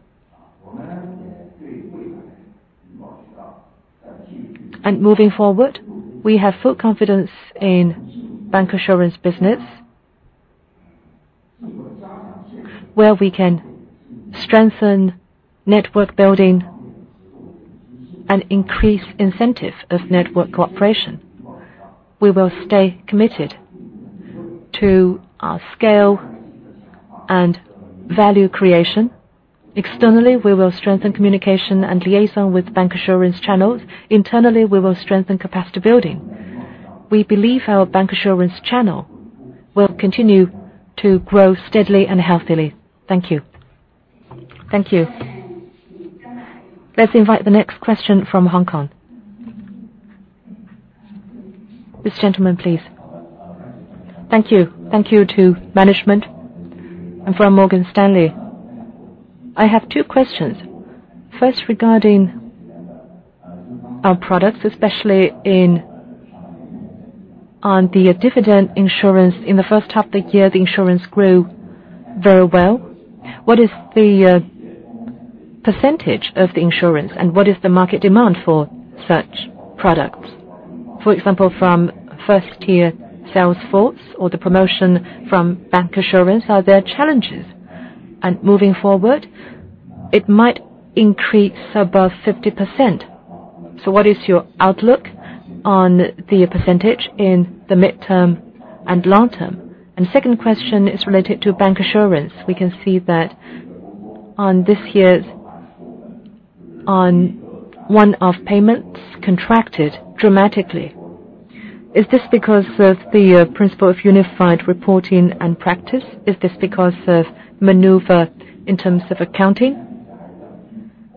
And moving forward, we have full confidence in bank insurance business, where we can strengthen network building and increase incentive of network cooperation. We will stay committed to our scale and value creation. Externally, we will strengthen communication and liaison with bank insurance channels. Internally, we will strengthen capacity building. We believe our bank insurance channel will continue to grow steadily and healthily. Thank you. Thank you. Let's invite the next question from Hong Kong. This gentleman, please. Thank you. Thank you to management. I'm from Morgan Stanley. I have two questions. First, regarding our products, especially on the dividend insurance. In the first half of the year, the insurance grew very well. What is the percentage of the insurance, and what is the market demand for such products? For example, from first-tier sales force or the promotion from bank insurance, are there challenges? And moving forward, it might increase above 50%. So what is your outlook on the percentage in the midterm and long term? And second question is related to bank insurance. We can see that on this year's one-off payments contracted dramatically. Is this because of the principle of Unified Reporting and Practice? Is this because of maneuver in terms of accounting?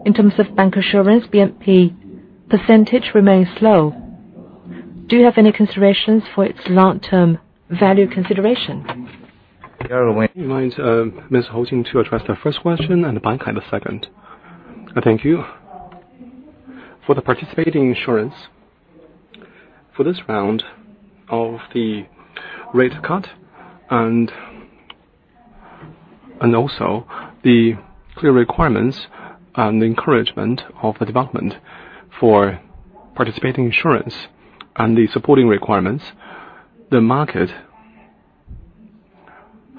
In terms of bank insurance, VNB percentage remains low. Do you have any considerations for its long-term value consideration? Yeah, we invite Ms. Hou Jin to address the first question and Bai Kai, the second. Thank you. For the participating insurance, for this round of the rate cut and also the clear requirements and encouragement of the development for participating insurance and the supporting requirements, the market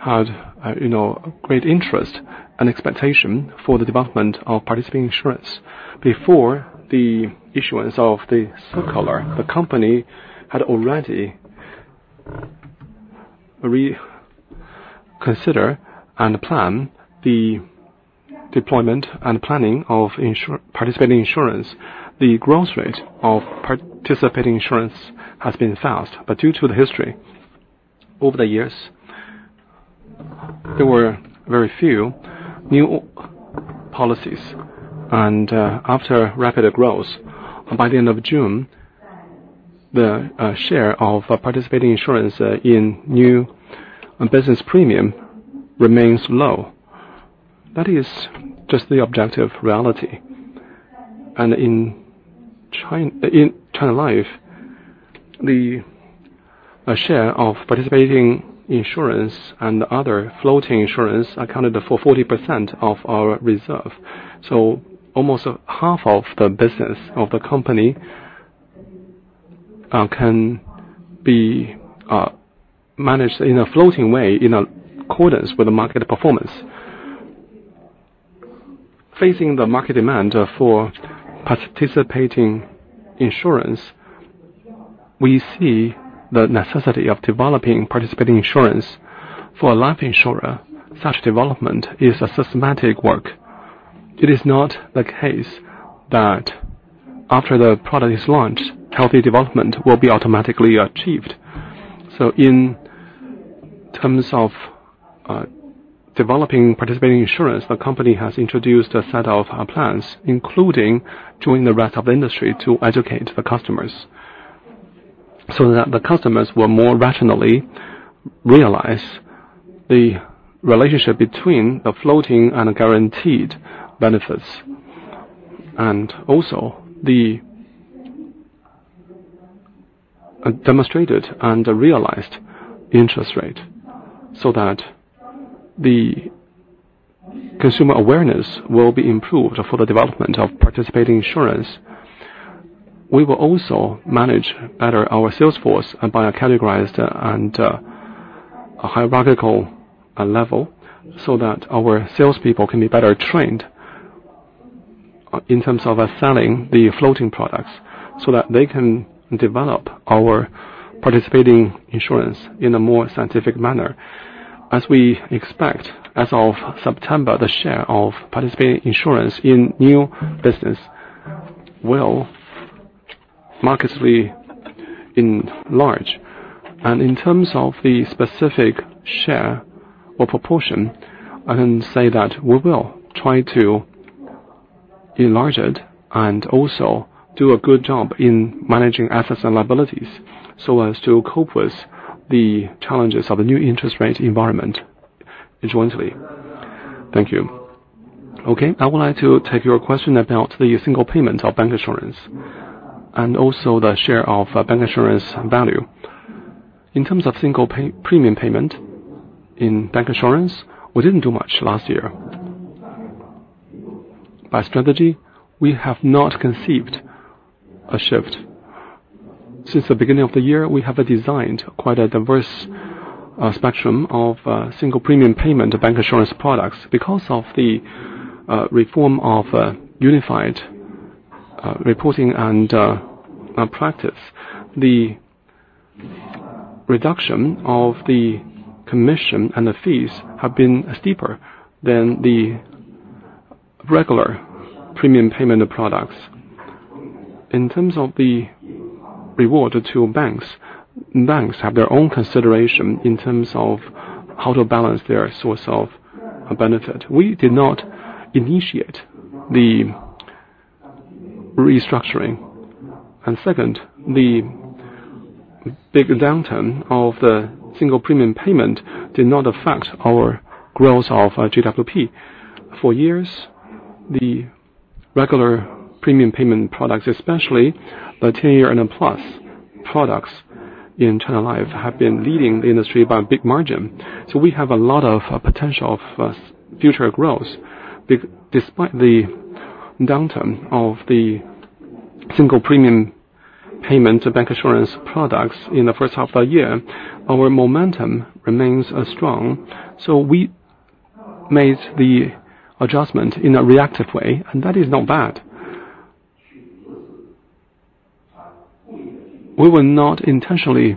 had a you know great interest and expectation for the development of participating insurance. Before the issuance of the circular, the company had already reconsider and plan the deployment and planning of participating insurance. The growth rate of participating insurance has been fast, but due to the history, over the years, there were very few new policies, and after rapid growth, by the end of June, the share of participating insurance in new business premium remains low. That is just the objective reality. And in China, in China Life, the share of participating insurance and other floating insurance accounted for 40% of our reserve. So almost half of the business of the company can be managed in a floating way, in accordance with the market performance. Facing the market demand for participating insurance, we see the necessity of developing participating insurance. For a life insurer, such development is a systematic work. It is not the case that after the product is launched, healthy development will be automatically achieved. So in terms of developing participating insurance, the company has introduced a set of plans, including joining the rest of the industry to educate the customers, so that the customers will more rationally realize the relationship between the floating and guaranteed benefits, and also the demonstrated and realized interest rate, so that the consumer awareness will be improved for the development of participating insurance.... We will also manage better our sales force by a categorized and a hierarchical level, so that our salespeople can be better trained in terms of selling the floating products, so that they can develop our participating insurance in a more scientific manner. As we expect, as of September, the share of participating insurance in new business will markedly enlarge, and in terms of the specific share or proportion, I can say that we will try to enlarge it and also do a good job in managing assets and liabilities, so as to cope with the challenges of a new interest rate environment jointly. Thank you. Okay, I would like to take your question about the single payment of bancassurance, and also the share of bancassurance value. In terms of single pay premium payment in bancassurance, we didn't do much last year. By strategy, we have not conceived a shift. Since the beginning of the year, we have designed quite a diverse spectrum of single premium payment bancassurance products. Because of the reform of unified reporting and practice, the reduction of the commission and the fees have been steeper than the regular premium payment products. In terms of the reward to banks, banks have their own consideration in terms of how to balance their source of benefit. We did not initiate the restructuring. Second, the big downturn of the single premium payment did not affect our growth of GWP. For years, the regular premium payment products, especially the ten-year and plus products in China Life, have been leading the industry by a big margin. So we have a lot of potential of future growth. Despite the downturn of the single premium payment to bancassurance products in the first half of the year, our momentum remains strong, so we made the adjustment in a reactive way, and that is not bad. We will not intentionally,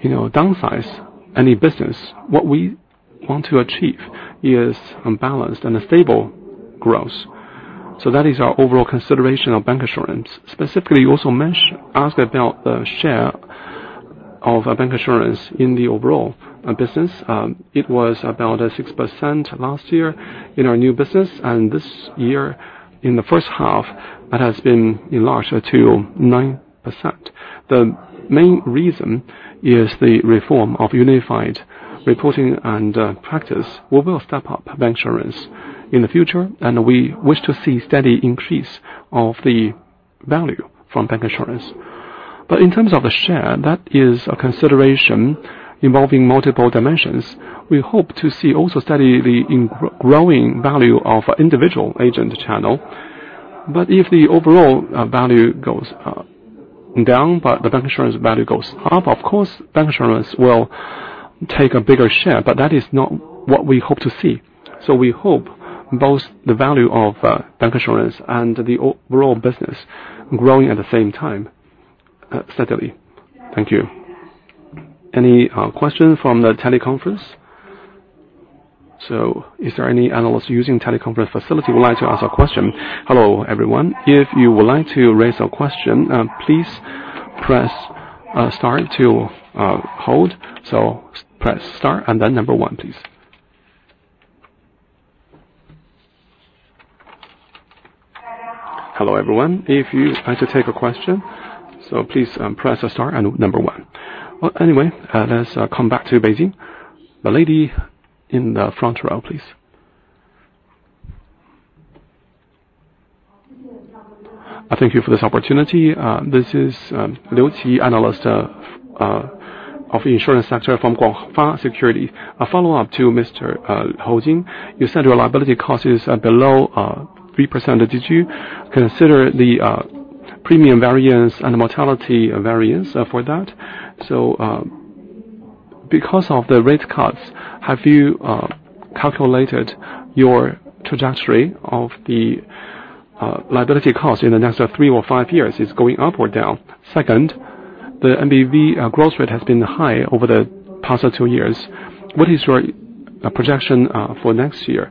you know, downsize any business. What we want to achieve is a balanced and a stable growth, so that is our overall consideration of bancassurance. Specifically, you also asked about the share of bancassurance in the overall business. It was about 6% last year in our new business, and this year, in the first half, it has been enlarged to 9%. The main reason is the reform of Unified Reporting and Practice. We will step up bancassurance in the future, and we wish to see steady increase of the value from bancassurance. But in terms of the share, that is a consideration involving multiple dimensions. We hope to see also steadily the growing value of individual agent channel. But if the overall value goes down, but the bancassurance value goes up, of course, bancassurance will take a bigger share, but that is not what we hope to see. So we hope both the value of bancassurance and the overall business growing at the same time steadily. Thank you. Any question from the teleconference? So is there any analyst using teleconference facility who would like to ask a question? Hello, everyone. If you would like to raise a question, please press star to hold. So press star and then number one, please. Hello, everyone. If you'd like to take a question, so please press star and number one. Anyway, let's come back to Beijing. The lady in the front row, please. Thank you for this opportunity. This is Liu Qi, analyst of the insurance sector from Guohai Securities. A follow-up to Mr. Hou Jin. You said your liability cost is below 3%. Did you consider the premium variance and the mortality variance for that? So, because of the rate cuts, have you calculated your trajectory of the liability cost in the next three or five years is going up or down? Second, the NBV growth rate has been high over the past two years. What is your projection for next year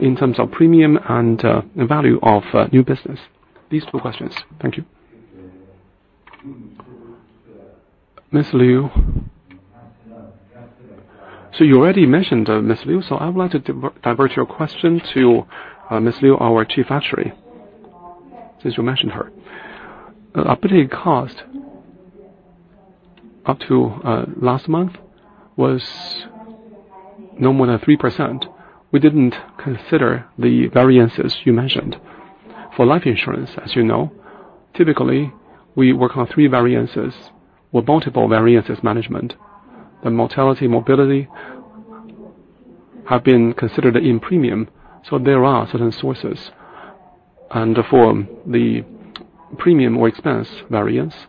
in terms of premium and the value of new business? These two questions. Thank you. Miss Liu. So you already mentioned Miss Liu, so I would like to divert your question to Miss Liu, our Chief Actuary, since you mentioned her. The operating cost up to last month was no more than 3%. We didn't consider the variances you mentioned. For life insurance, as you know, typically, we work on three variances or multiple variances management: the mortality, morbidity have been considered in premium, so there are certain sources. And for the premium or expense variance,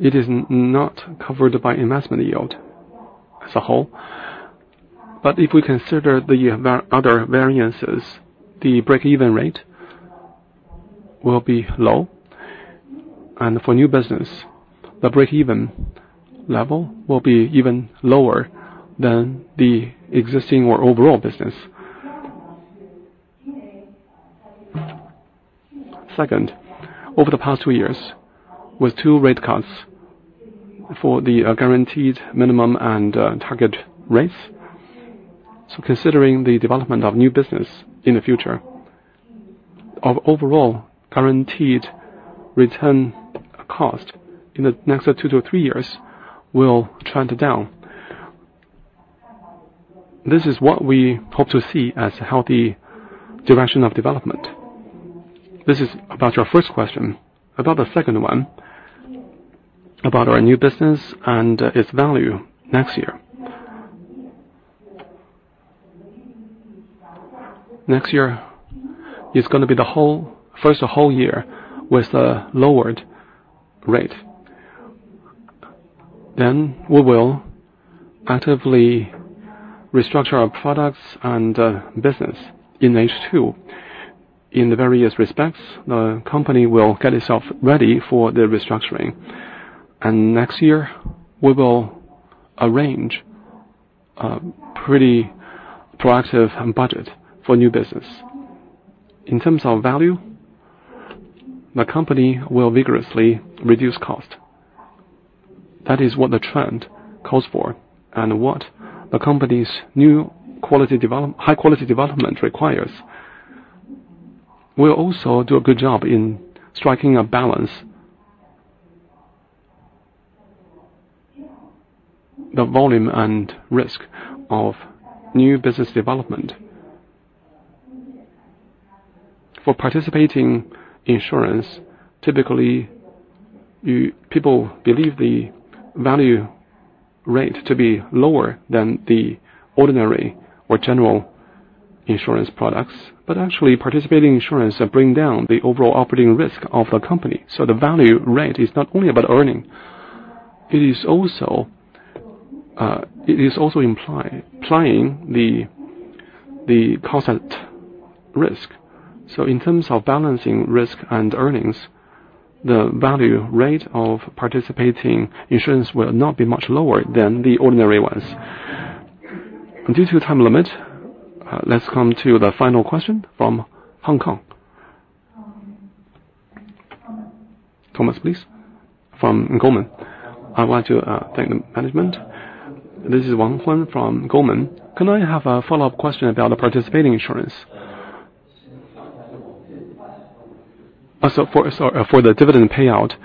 it is not covered by investment yield as a whole. But if we consider the other variances, the break-even rate will be low, and for new business, the break-even level will be even lower than the existing or overall business. Second, over the past two years, with two rate cuts for the guaranteed minimum and target rates, so considering the development of new business in the future, our overall guaranteed return cost in the next two to three years will trend down. This is what we hope to see as a healthy direction of development. This is about your first question. About the second one, about our new business and its value next year. Next year is gonna be the whole, first whole year with a lowered rate. Then we will actively restructure our products and business in H2. In the various respects, the company will get itself ready for the restructuring. And next year, we will arrange a pretty proactive budget for new business. In terms of value, the company will vigorously reduce cost. That is what the trend calls for, and what the company's high-quality development requires. We'll also do a good job in striking a balance. The volume and risk of new business development. For participating insurance, typically, people believe the value rate to be lower than the ordinary or general insurance products. But actually, participating insurance bring down the overall operating risk of the company, so the value rate is not only about earning, it is also implying the constant risk. So in terms of balancing risk and earnings, the value rate of participating insurance will not be much lower than the ordinary ones. Due to time limit, let's come to the final question from Hong Kong. Thomas, please. From Goldman. I'd like to thank the management. This is Thomas Wang from Goldman. Can I have a follow-up question about the participating insurance? So for the dividend payout,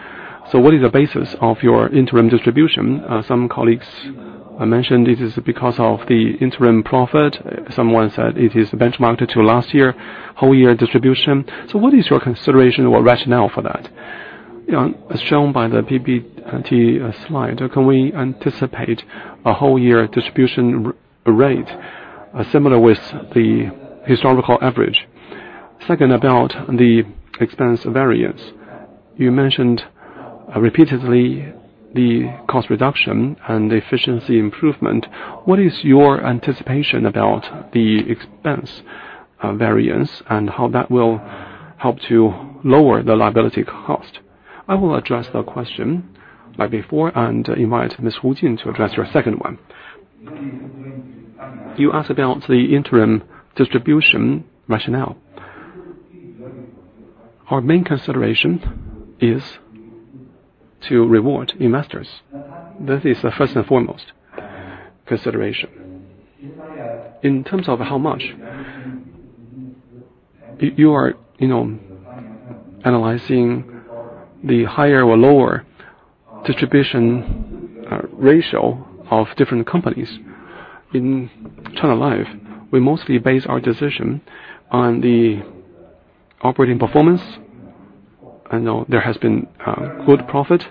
so what is the basis of your interim distribution? Some colleagues have mentioned it is because of the interim profit. Someone said it is benchmarked to last year, whole year distribution. So what is your consideration or rationale for that? You know, as shown by the PBT slide, can we anticipate a whole year distribution rate similar with the historical average? Second, about the expense variance. You mentioned repeatedly the cost reduction and efficiency improvement. What is your anticipation about the expense variance, and how that will help to lower the liability cost? I will address the question like before, and invite Ms. Hou Jin to address your second one. You asked about the interim distribution rationale. Our main consideration is to reward investors. That is the first and foremost consideration. In terms of how much, you are, you know, analyzing the higher or lower distribution ratio of different companies. In China Life, we mostly base our decision on the operating performance. I know there has been good profit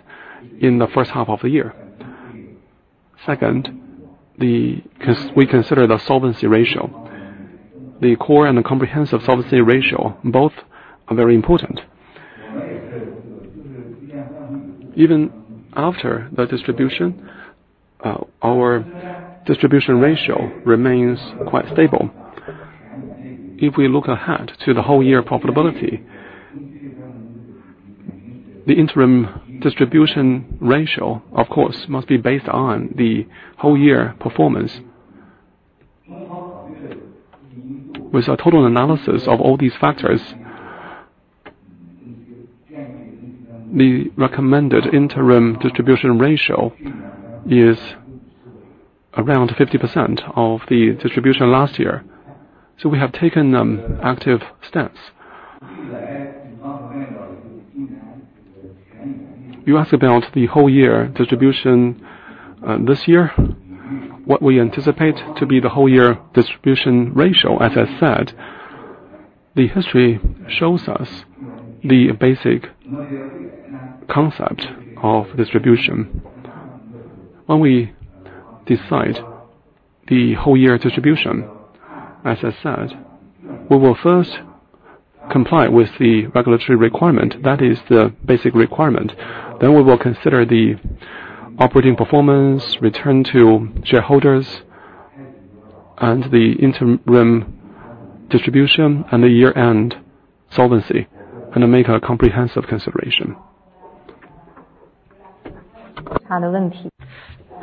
in the first half of the year. Second, we consider the solvency ratio. The core and the comprehensive solvency ratio, both are very important. Even after the distribution, our distribution ratio remains quite stable. If we look ahead to the whole year profitability, the interim distribution ratio, of course, must be based on the whole year performance. With a total analysis of all these factors, the recommended interim distribution ratio is around 50% of the distribution last year. So we have taken active stance. You asked about the whole year distribution this year. What we anticipate to be the whole year distribution ratio, as I said. The history shows us the basic concept of distribution. When we decide the whole year distribution, as I said, we will first comply with the regulatory requirement. That is the basic requirement. Then we will consider the operating performance, return to shareholders, and the interim distribution and the year-end solvency, and make a comprehensive consideration.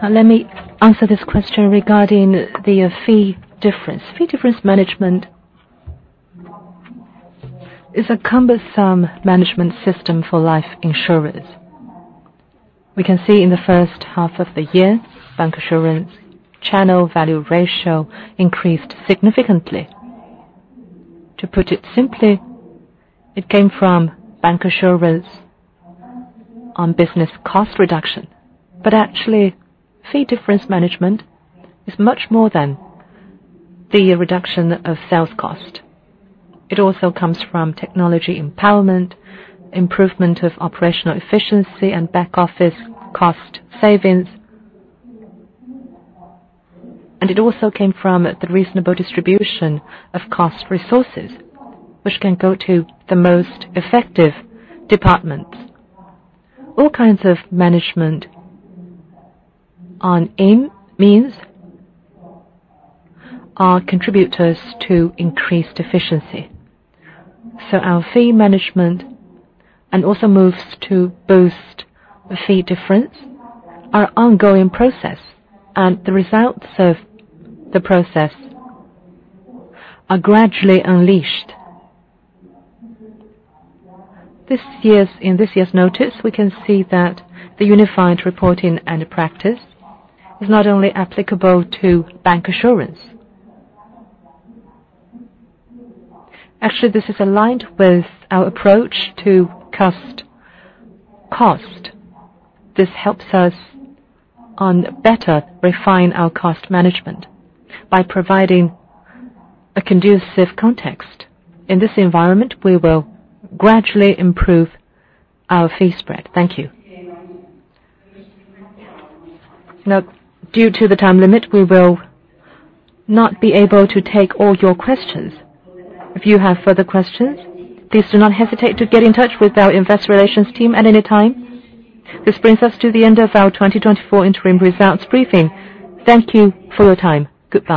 Let me answer this question regarding the fee difference. Fee difference management is a cumbersome management system for life insurance. We can see in the first half of the year, bancassurance channel value ratio increased significantly. To put it simply, it came from bancassurance on business cost reduction. But actually, fee difference management is much more than the reduction of sales cost. It also comes from technology empowerment, improvement of operational efficiency, and back office cost savings, and it also came from the reasonable distribution of cost resources, which can go to the most effective departments. All kinds of management on aim, means, are contributors to increased efficiency. So our fee management, and also moves to boost the fee difference, are ongoing process, and the results of the process are gradually unleashed. In this year's notice, we can see that the Unified Reporting and Practice is not only applicable to bancassurance. Actually, this is aligned with our approach to cost. This helps us on better refine our cost management by providing a conducive context. In this environment, we will gradually improve our fee spread. Thank you. Now, due to the time limit, we will not be able to take all your questions. If you have further questions, please do not hesitate to get in touch with our investor relations team at any time. This brings us to the end of our twenty-twenty four interim results briefing. Thank you for your time. Goodbye.